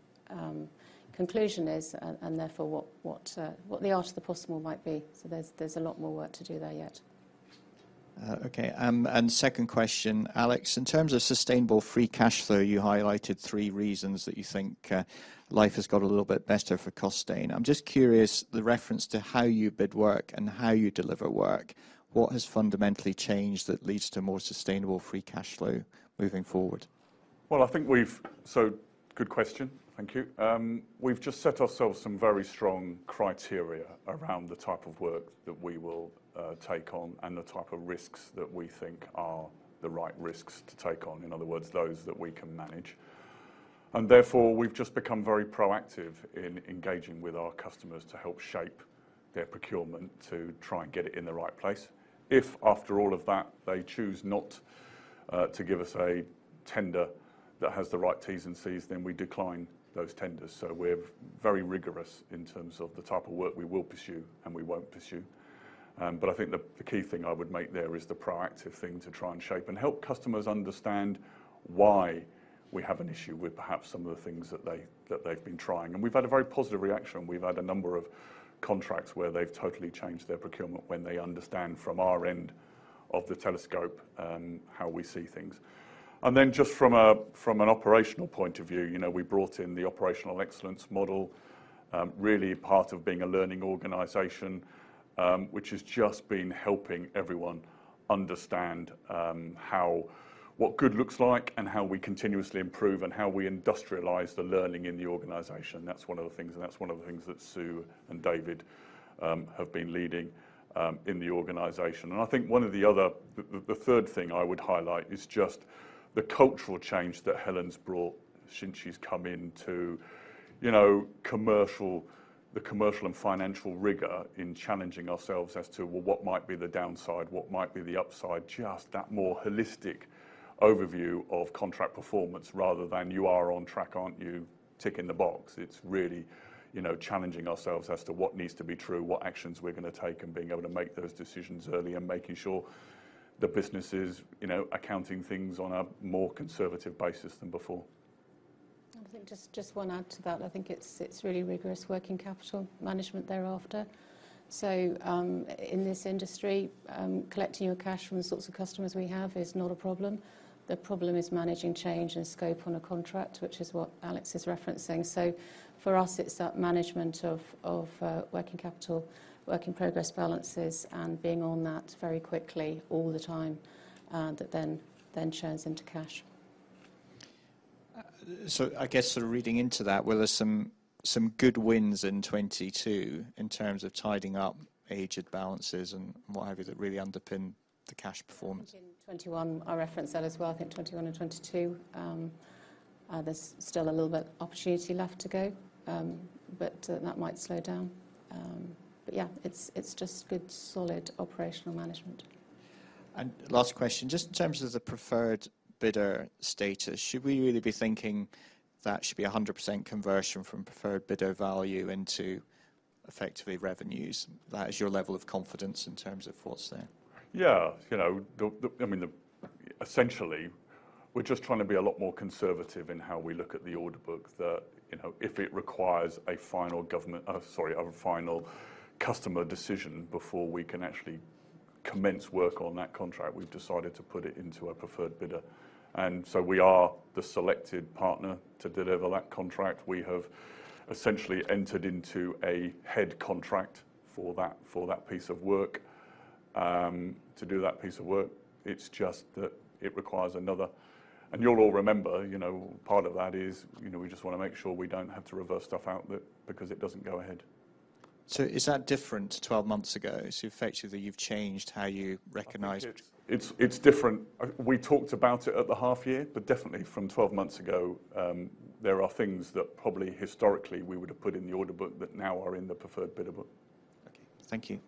Speaker 2: conclusion is, and therefore what the art of the possible might be. There's a lot more work to do there yet.
Speaker 5: Okay, second question. Alex, in terms of sustainable free cash flow, you highlighted three reasons that you think life has got a little bit better for Costain. I'm just curious, the reference to how you bid work and how you deliver work, what has fundamentally changed that leads to more sustainable free cash flow moving forward?
Speaker 1: Well, I think we've good question. Thank you. We've just set ourselves some very strong criteria around the type of work that we will take on and the type of risks that we think are the right risks to take on, in other words, those that we can manage. Therefore, we've just become very proactive in engaging with our customers to help shape their procurement to try and get it in the right place. If after all of that, they choose not to give us a tender that has the right T's and C's, then we decline those tenders. We're very rigorous in terms of the type of work we will pursue and we won't pursue. I think the key thing I would make there is the proactive thing to try and shape and help customers understand why we have an issue with perhaps some of the things that they've been trying. We've had a very positive reaction. We've had a number of contracts where they've totally changed their procurement when they understand from our end of the telescope, how we see things. Then just from an operational point of view, you know, we brought in the Operational Excellence Model, really part of being a learning organization, which has just been helping everyone understand how what good looks like and how we continuously improve and how we industrialize the learning in the organization. That's one of the things, and that's one of the things that Sue and David have been leading in the organization. I think one of the other, the third thing I would highlight is just the cultural change that Helen's brought since she's come in to, you know, the commercial and financial rigor in challenging ourselves as to, well, what might be the downside? What might be the upside? Just that more holistic overview of contract performance rather than, "You are on track, aren't you?" Tick in the box. It's really, you know, challenging ourselves as to what needs to be true, what actions we're gonna take, and being able to make those decisions early and making sure the business is, you know, accounting things on a more conservative basis than before.
Speaker 2: I think just one add to that, it's really rigorous working capital management thereafter. In this industry, collecting your cash from the sorts of customers we have is not a problem. The problem is managing change and scope on a contract, which is what Alex is referencing. For us, it's that management of working capital, work in progress balances and being on that very quickly all the time, that then turns into cash.
Speaker 5: I guess sort of reading into that, were there some good wins in 2022 in terms of tidying up aged balances and what have you, that really underpin the cash performance?
Speaker 2: I think in 2021, I referenced that as well. I think 2021 and 2022, there's still a little bit opportunity left to go, but that might slow down. Yeah, it's just good solid operational management.
Speaker 5: Last question, just in terms of the preferred bidder status, should we really be thinking that should be 100% conversion from preferred bidder value into effectively revenues? That is your level of confidence in terms of what's there.
Speaker 1: Yeah. You know, the, I mean, the, essentially, we're just trying to be a lot more conservative in how we look at the order book that, you know, if it requires a final government, sorry, a final customer decision before we can actually commence work on that contract, we've decided to put it into a preferred bidder. We are the selected partner to deliver that contract. We have essentially entered into a head contract for that piece of work to do that piece of work. It's just that it requires another... You'll all remember, you know, part of that is, you know, we just wanna make sure we don't have to reverse stuff out because it doesn't go ahead.
Speaker 5: Is that different to 12 months ago? Effectively, you've changed how you recognize-
Speaker 1: I think it's different. We talked about it at the half year, but definitely from 12 months ago, there are things that probably historically we would have put in the order book that now are in the preferred bidder book.
Speaker 5: Okay. Thank you.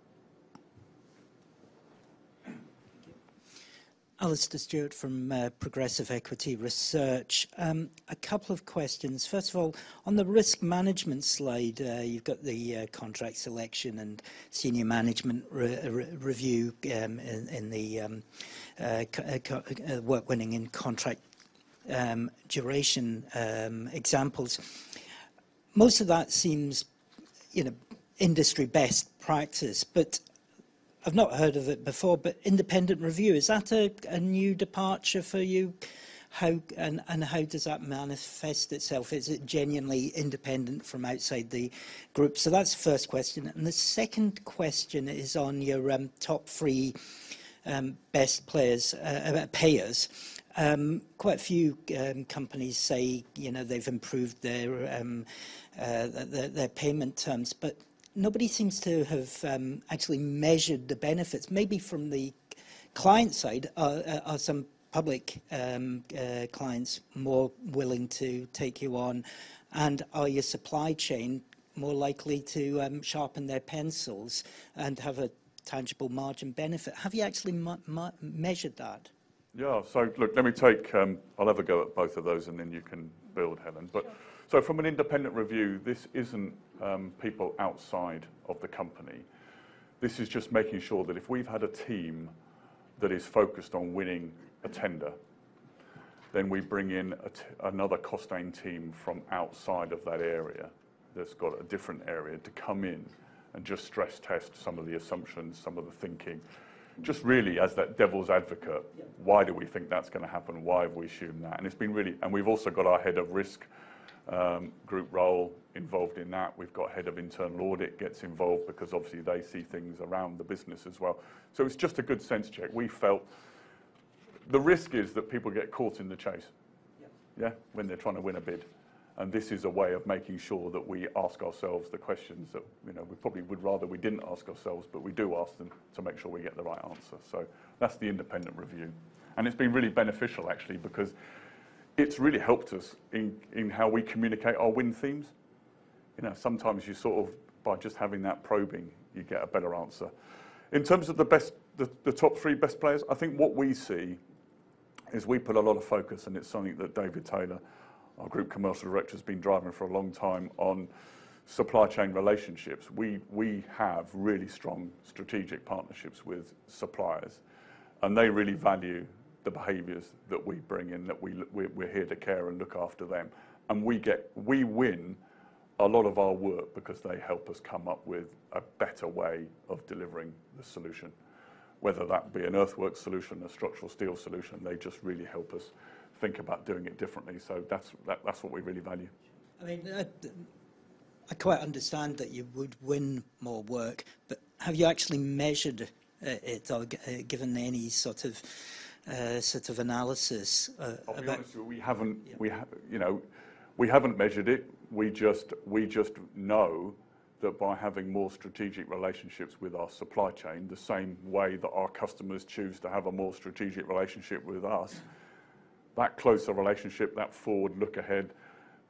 Speaker 6: Alistair Stewart from Progressive Equity Research. A couple of questions. First of all, on the risk management slide, you've got the contract selection and senior management review in the work winning and contract duration examples. Most of that seems, you know, industry best practice, I've not heard of it before. Independent review, is that a new departure for you? And how does that manifest itself? Is it genuinely independent from outside the group? That's the first question. The second question is on your top three best payers. Quite a few companies say, you know, they've improved their payment terms, but nobody seems to have actually measured the benefits. Maybe from the client side. Are some public clients more willing to take you on? Are your supply chain more likely to sharpen their pencils and have a tangible margin benefit? Have you actually measured that?
Speaker 1: Yeah. Look, let me take, I'll have a go at both of those, and then you can build, Helen.
Speaker 7: Sure.
Speaker 1: From an independent review, this isn't people outside of the company. This is just making sure that if we've had a team that is focused on winning a tender, then we bring in another Costain team from outside of that area that's got a different area to come in and just stress test some of the assumptions, some of the thinking. Just really as that devil's advocate, why do we think that's gonna happen? Why have we assumed that? It's been really. We've also got our head of risk group role involved in that. We've got head of internal audit gets involved because obviously they see things around the business as well. It's just a good sense check. We felt the risk is that people get caught in the chase.
Speaker 6: Yeah.
Speaker 1: Yeah. When they're trying to win a bid. This is a way of making sure that we ask ourselves the questions that, you know, we probably would rather we didn't ask ourselves, but we do ask them to make sure we get the right answer. That's the independent review. It's been really beneficial actually, because it's really helped us in how we communicate our win themes. You know, sometimes you sort of by just having that probing, you get a better answer. In terms of the best, the top three best players, I think what we see is we put a lot of focus, and it's something that David Taylor, our Group Commercial Director, has been driving for a long time on supply chain relationships. We have really strong strategic partnerships with suppliers, and they really value the behaviors that we bring in, that we're here to care and look after them. We win a lot of our work because they help us come up with a better way of delivering the solution, whether that be an earthwork solution, a structural steel solution. They just really help us think about doing it differently. That's what we really value.
Speaker 6: I mean, I quite understand that you would win more work, but have you actually measured it or given any sort of analysis?
Speaker 1: I'll be honest with you, we haven't-
Speaker 6: Yeah.
Speaker 1: We have, you know, we haven't measured it. We just, we just know that by having more strategic relationships with our supply chain, the same way that our customers choose to have a more strategic relationship with us, that closer relationship, that forward look ahead,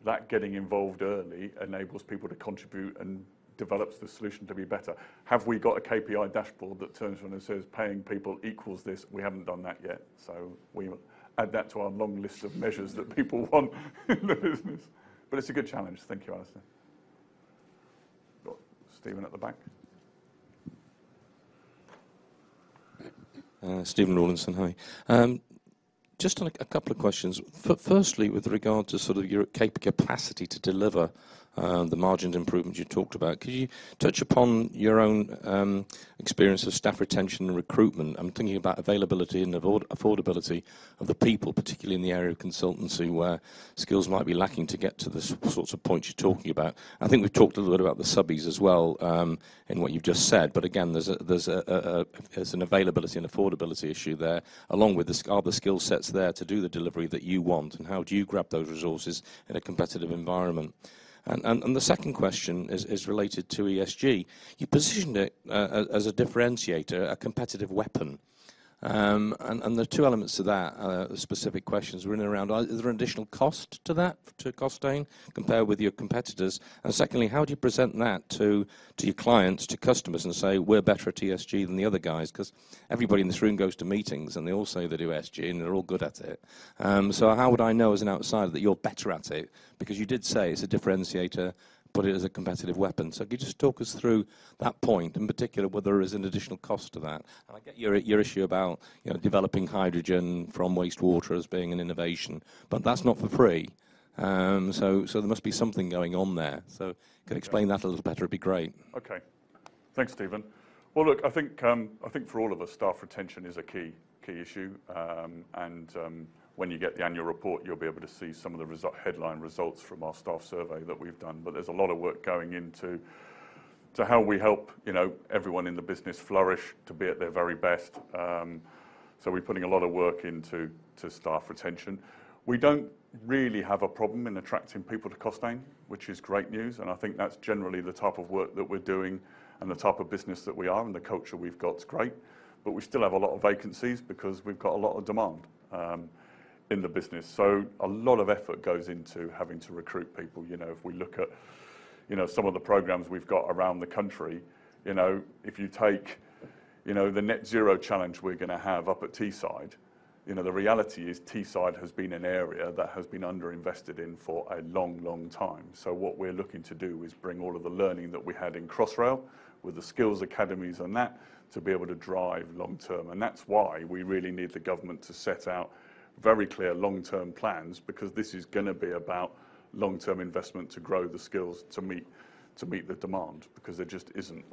Speaker 1: that getting involved early enables people to contribute and develops the solution to be better. Have we got a KPI dashboard that turns around and says, paying people equals this? We haven't done that yet. We add that to our long list of measures that people want in the business. It's a good challenge. Thank you, Alistair. Got Stephen at the back.
Speaker 8: Stephen Rawlinson. Hi. Just on a couple of questions. Firstly, with regard to sort of your capacity to deliver the margin improvement you talked about, could you touch upon your own experience of staff retention and recruitment? I'm thinking about availability and affordability of the people, particularly in the area of consultancy, where skills might be lacking to get to the sorts of points you're talking about. I think we've talked a little about the subbies as well, in what you've just said, but again, there's an availability and affordability issue there, along with are the skill sets there to do the delivery that you want, and how do you grab those resources in a competitive environment? The second question is related to ESG. You positioned it as a differentiator, a competitive weapon. There are two elements to that, specific questions really around are there additional cost to that, to Costain compared with your competitors? Secondly, how do you present that to your clients, to customers, and say, "We're better at ESG than the other guys"? 'Cause everybody in this room goes to meetings, and they all say they do ESG, and they're all good at it. How would I know as an outsider that you're better at it? Because you did say it's a differentiator, but it is a competitive weapon. Could you just talk us through that point, in particular, whether there is an additional cost to that? I get your issue about, you know, developing hydrogen from wastewater as being an innovation, but that's not for free. There must be something going on there. If you could explain that a little better, it'd be great.
Speaker 1: Okay. Thanks, Stephen. Well, look, I think, I think for all of us, staff retention is a key issue. When you get the annual report, you'll be able to see some of the headline results from our staff survey that we've done. There's a lot of work going into how we help, you know, everyone in the business flourish to be at their very best. We're putting a lot of work into staff retention. We don't really have a problem in attracting people to Costain, which is great news, and I think that's generally the type of work that we're doing and the type of business that we are and the culture we've got is great. We still have a lot of vacancies because we've got a lot of demand. In the business. A lot of effort goes into having to recruit people. You know, if we look at, you know, some of the programs we've got around the country, you know, if you take, you know, the net zero challenge we're gonna have up at Teesside, you know, the reality is Teesside has been an area that has been underinvested in for a long, long time. What we're looking to do is bring all of the learning that we had in Crossrail with the skills academies and that to be able to drive long-term. That's why we really need the government to set out very clear long-term plans because this is gonna be about long-term investment to grow the skills to meet the demand because there just isn't,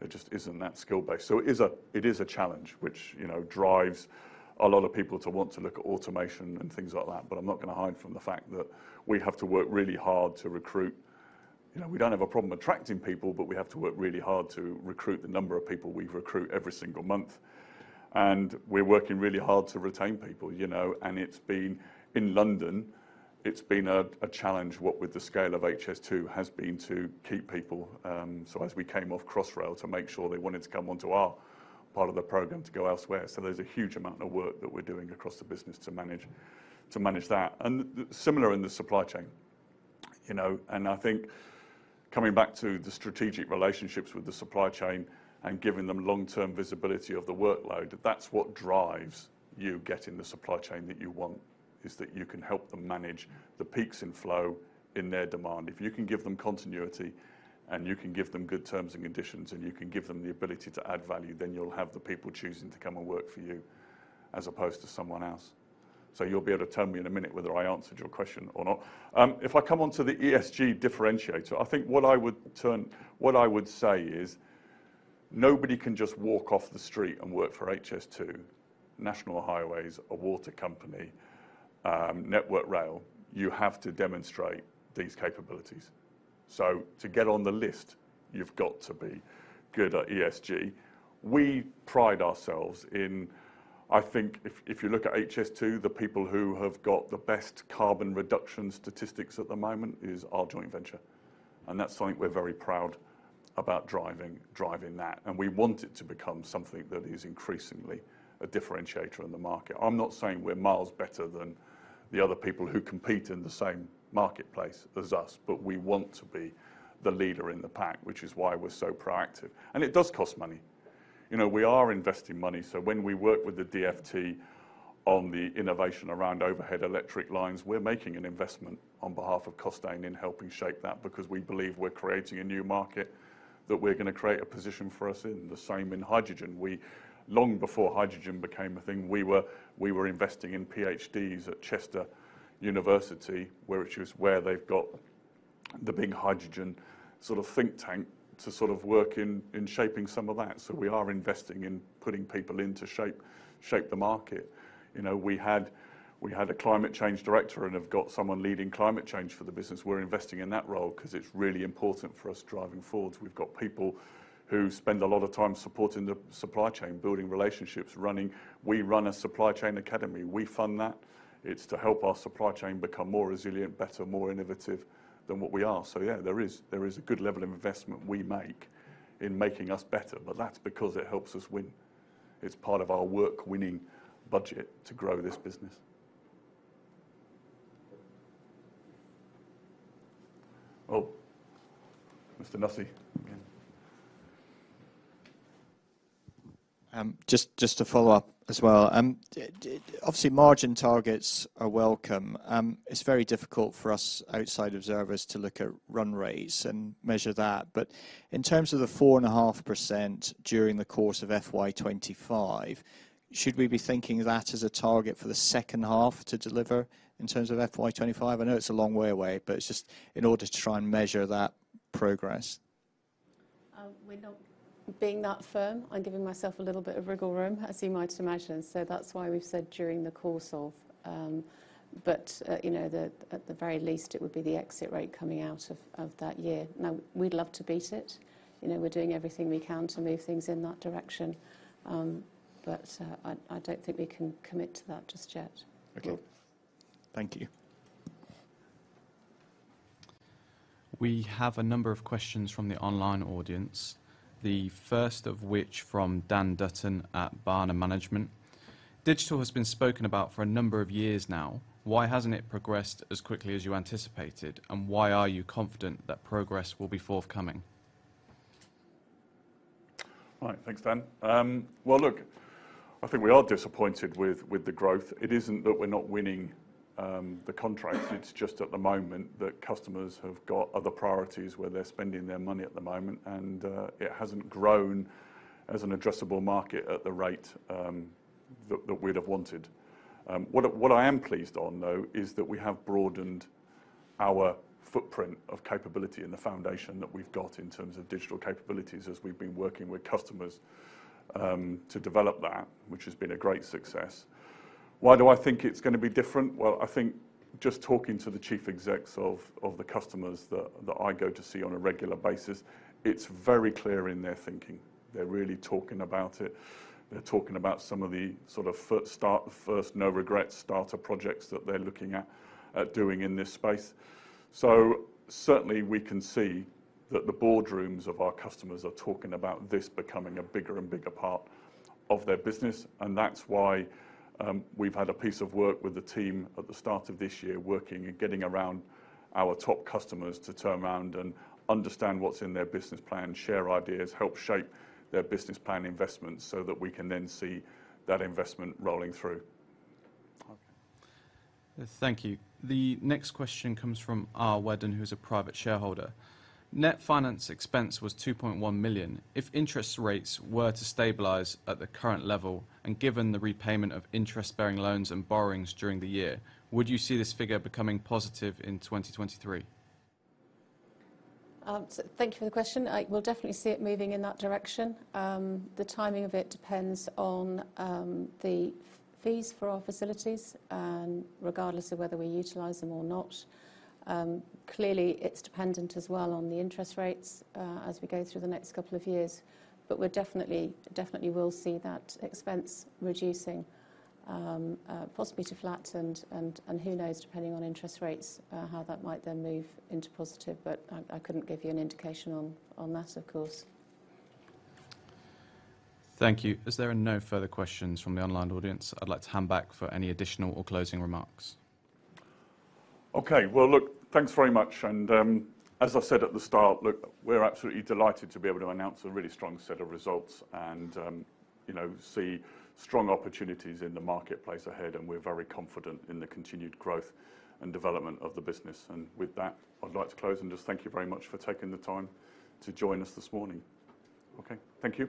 Speaker 1: there just isn't that skill base. It is a challenge which, you know, drives a lot of people to want to look at automation and things like that. I'm not gonna hide from the fact that we have to work really hard to recruit. You know, we don't have a problem attracting people, but we have to work really hard to recruit the number of people we recruit every single month. We're working really hard to retain people, you know. In London, it's been a challenge, what with the scale of HS2 has been to keep people, so as we came off Crossrail to make sure they wanted to come onto our part of the program to go elsewhere. There's a huge amount of work that we're doing across the business to manage that and similar in the supply chain. You know, I think coming back to the strategic relationships with the supply chain and giving them long-term visibility of the workload, that's what drives you getting the supply chain that you want, is that you can help them manage the peaks in flow in their demand. If you can give them continuity and you can give them good terms and conditions and you can give them the ability to add value, then you'll have the people choosing to come and work for you as opposed to someone else. You'll be able to tell me in a minute whether I answered your question or not. If I come on to the ESG differentiator, I think what I would say is nobody can just walk off the street and work for HS2, National Highways, a water company, Network Rail. You have to demonstrate these capabilities. To get on the list, you've got to be good at ESG. We pride ourselves. I think if you look at HS2, the people who have got the best carbon reduction statistics at the moment is our joint venture, and that's something we're very proud about driving that. We want it to become something that is increasingly a differentiator in the market. I'm not saying we're miles better than the other people who compete in the same marketplace as us, but we want to be the leader in the pack, which is why we're so proactive. It does cost money. You know, we are investing money. When we work with the DfT on the innovation around overhead electric lines, we're making an investment on behalf of Costain in helping shape that because we believe we're gonna create a new market that we're gonna create a position for us in. The same in hydrogen. Long before hydrogen became a thing, we were investing in PhDs at Chester University, where it is where they've got the big hydrogen sort of think tank to sort of work in shaping some of that. We are investing in putting people in to shape the market. You know, we had a climate change director and have got someone leading climate change for the business. We're investing in that role 'cause it's really important for us driving forward. We've got people who spend a lot of time supporting the supply chain, building relationships, running. We run a Supply Chain Academy. We fund that. It's to help our supply chain become more resilient, better, more innovative than what we are. Yeah, there is a good level of investment we make in making us better, but that's because it helps us win. It's part of our work-winning budget to grow this business. Oh, Mr. Nussey again.
Speaker 5: Just to follow up as well. Obviously margin targets are welcome. It's very difficult for us outside observers to look at run rates and measure that. In terms of the 4.5% during the course of FY25, should we be thinking that as a target for the second half to deliver in terms of FY25? I know it's a long way away, but it's just in order to try and measure that progress.
Speaker 2: We're not being that firm. I'm giving myself a little bit of wriggle room, as you might imagine. That's why we've said during the course of, you know, at the very least it would be the exit rate coming out of that year. We'd love to beat it. You know, we're doing everything we can to move things in that direction. I don't think we can commit to that just yet.
Speaker 1: Okay.
Speaker 5: Thank you.
Speaker 9: We have a number of questions from the online audience, the first of which from Dan Dutton at Barner Management. Digital has been spoken about for a number of years now. Why hasn't it progressed as quickly as you anticipated, and why are you confident that progress will be forthcoming?
Speaker 1: Right. Thanks, Dan. Look, I think we are disappointed with the growth. It isn't that we're not winning, the contracts. It's just at the moment that customers have got other priorities where they're spending their money at the moment and, it hasn't grown as an addressable market at the rate, that we'd have wanted. What I am pleased on though is that we have broadened our footprint of capability and the foundation that we've got in terms of digital capabilities as we've been working with customers, to develop that, which has been a great success. Why do I think it's gonna be different? I think just talking to the chief execs of the customers that I go to see on a regular basis, it's very clear in their thinking. They're really talking about it. They're talking about some of the sort of first no regrets starter projects that they're looking at doing in this space. Certainly we can see that the boardrooms of our customers are talking about this becoming a bigger and bigger part of their business and that's why we've had a piece of work with the team at the start of this year working and getting around our top customers to turn around and understand what's in their business plan, share ideas, help shape their business plan investments so that we can then see that investment rolling through.
Speaker 9: Okay. Thank you. The next question comes from R. Widdon, who's a private shareholder. Net finance expense was 2.1 million. If interest rates were to stabilize at the current level and given the repayment of interest-bearing loans and borrowings during the year, would you see this figure becoming positive in 2023?
Speaker 2: Thank you for the question. We'll definitely see it moving in that direction. The timing of it depends on the fees for our facilities and regardless of whether we utilize them or not. Clearly it's dependent as well on the interest rates as we go through the next couple of years. We're definitely will see that expense reducing, possibly to flat and who knows, depending on interest rates, how that might then move into positive, but I couldn't give you an indication on that, of course.
Speaker 9: Thank you. As there are no further questions from the online audience, I'd like to hand back for any additional or closing remarks.
Speaker 1: Okay. Well, look, thanks very much and, as I said at the start, look, we're absolutely delighted to be able to announce a really strong set of results and, you know, see strong opportunities in the marketplace ahead and we're very confident in the continued growth and development of the business. With that, I'd like to close and just thank you very much for taking the time to join us this morning. Okay. Thank you.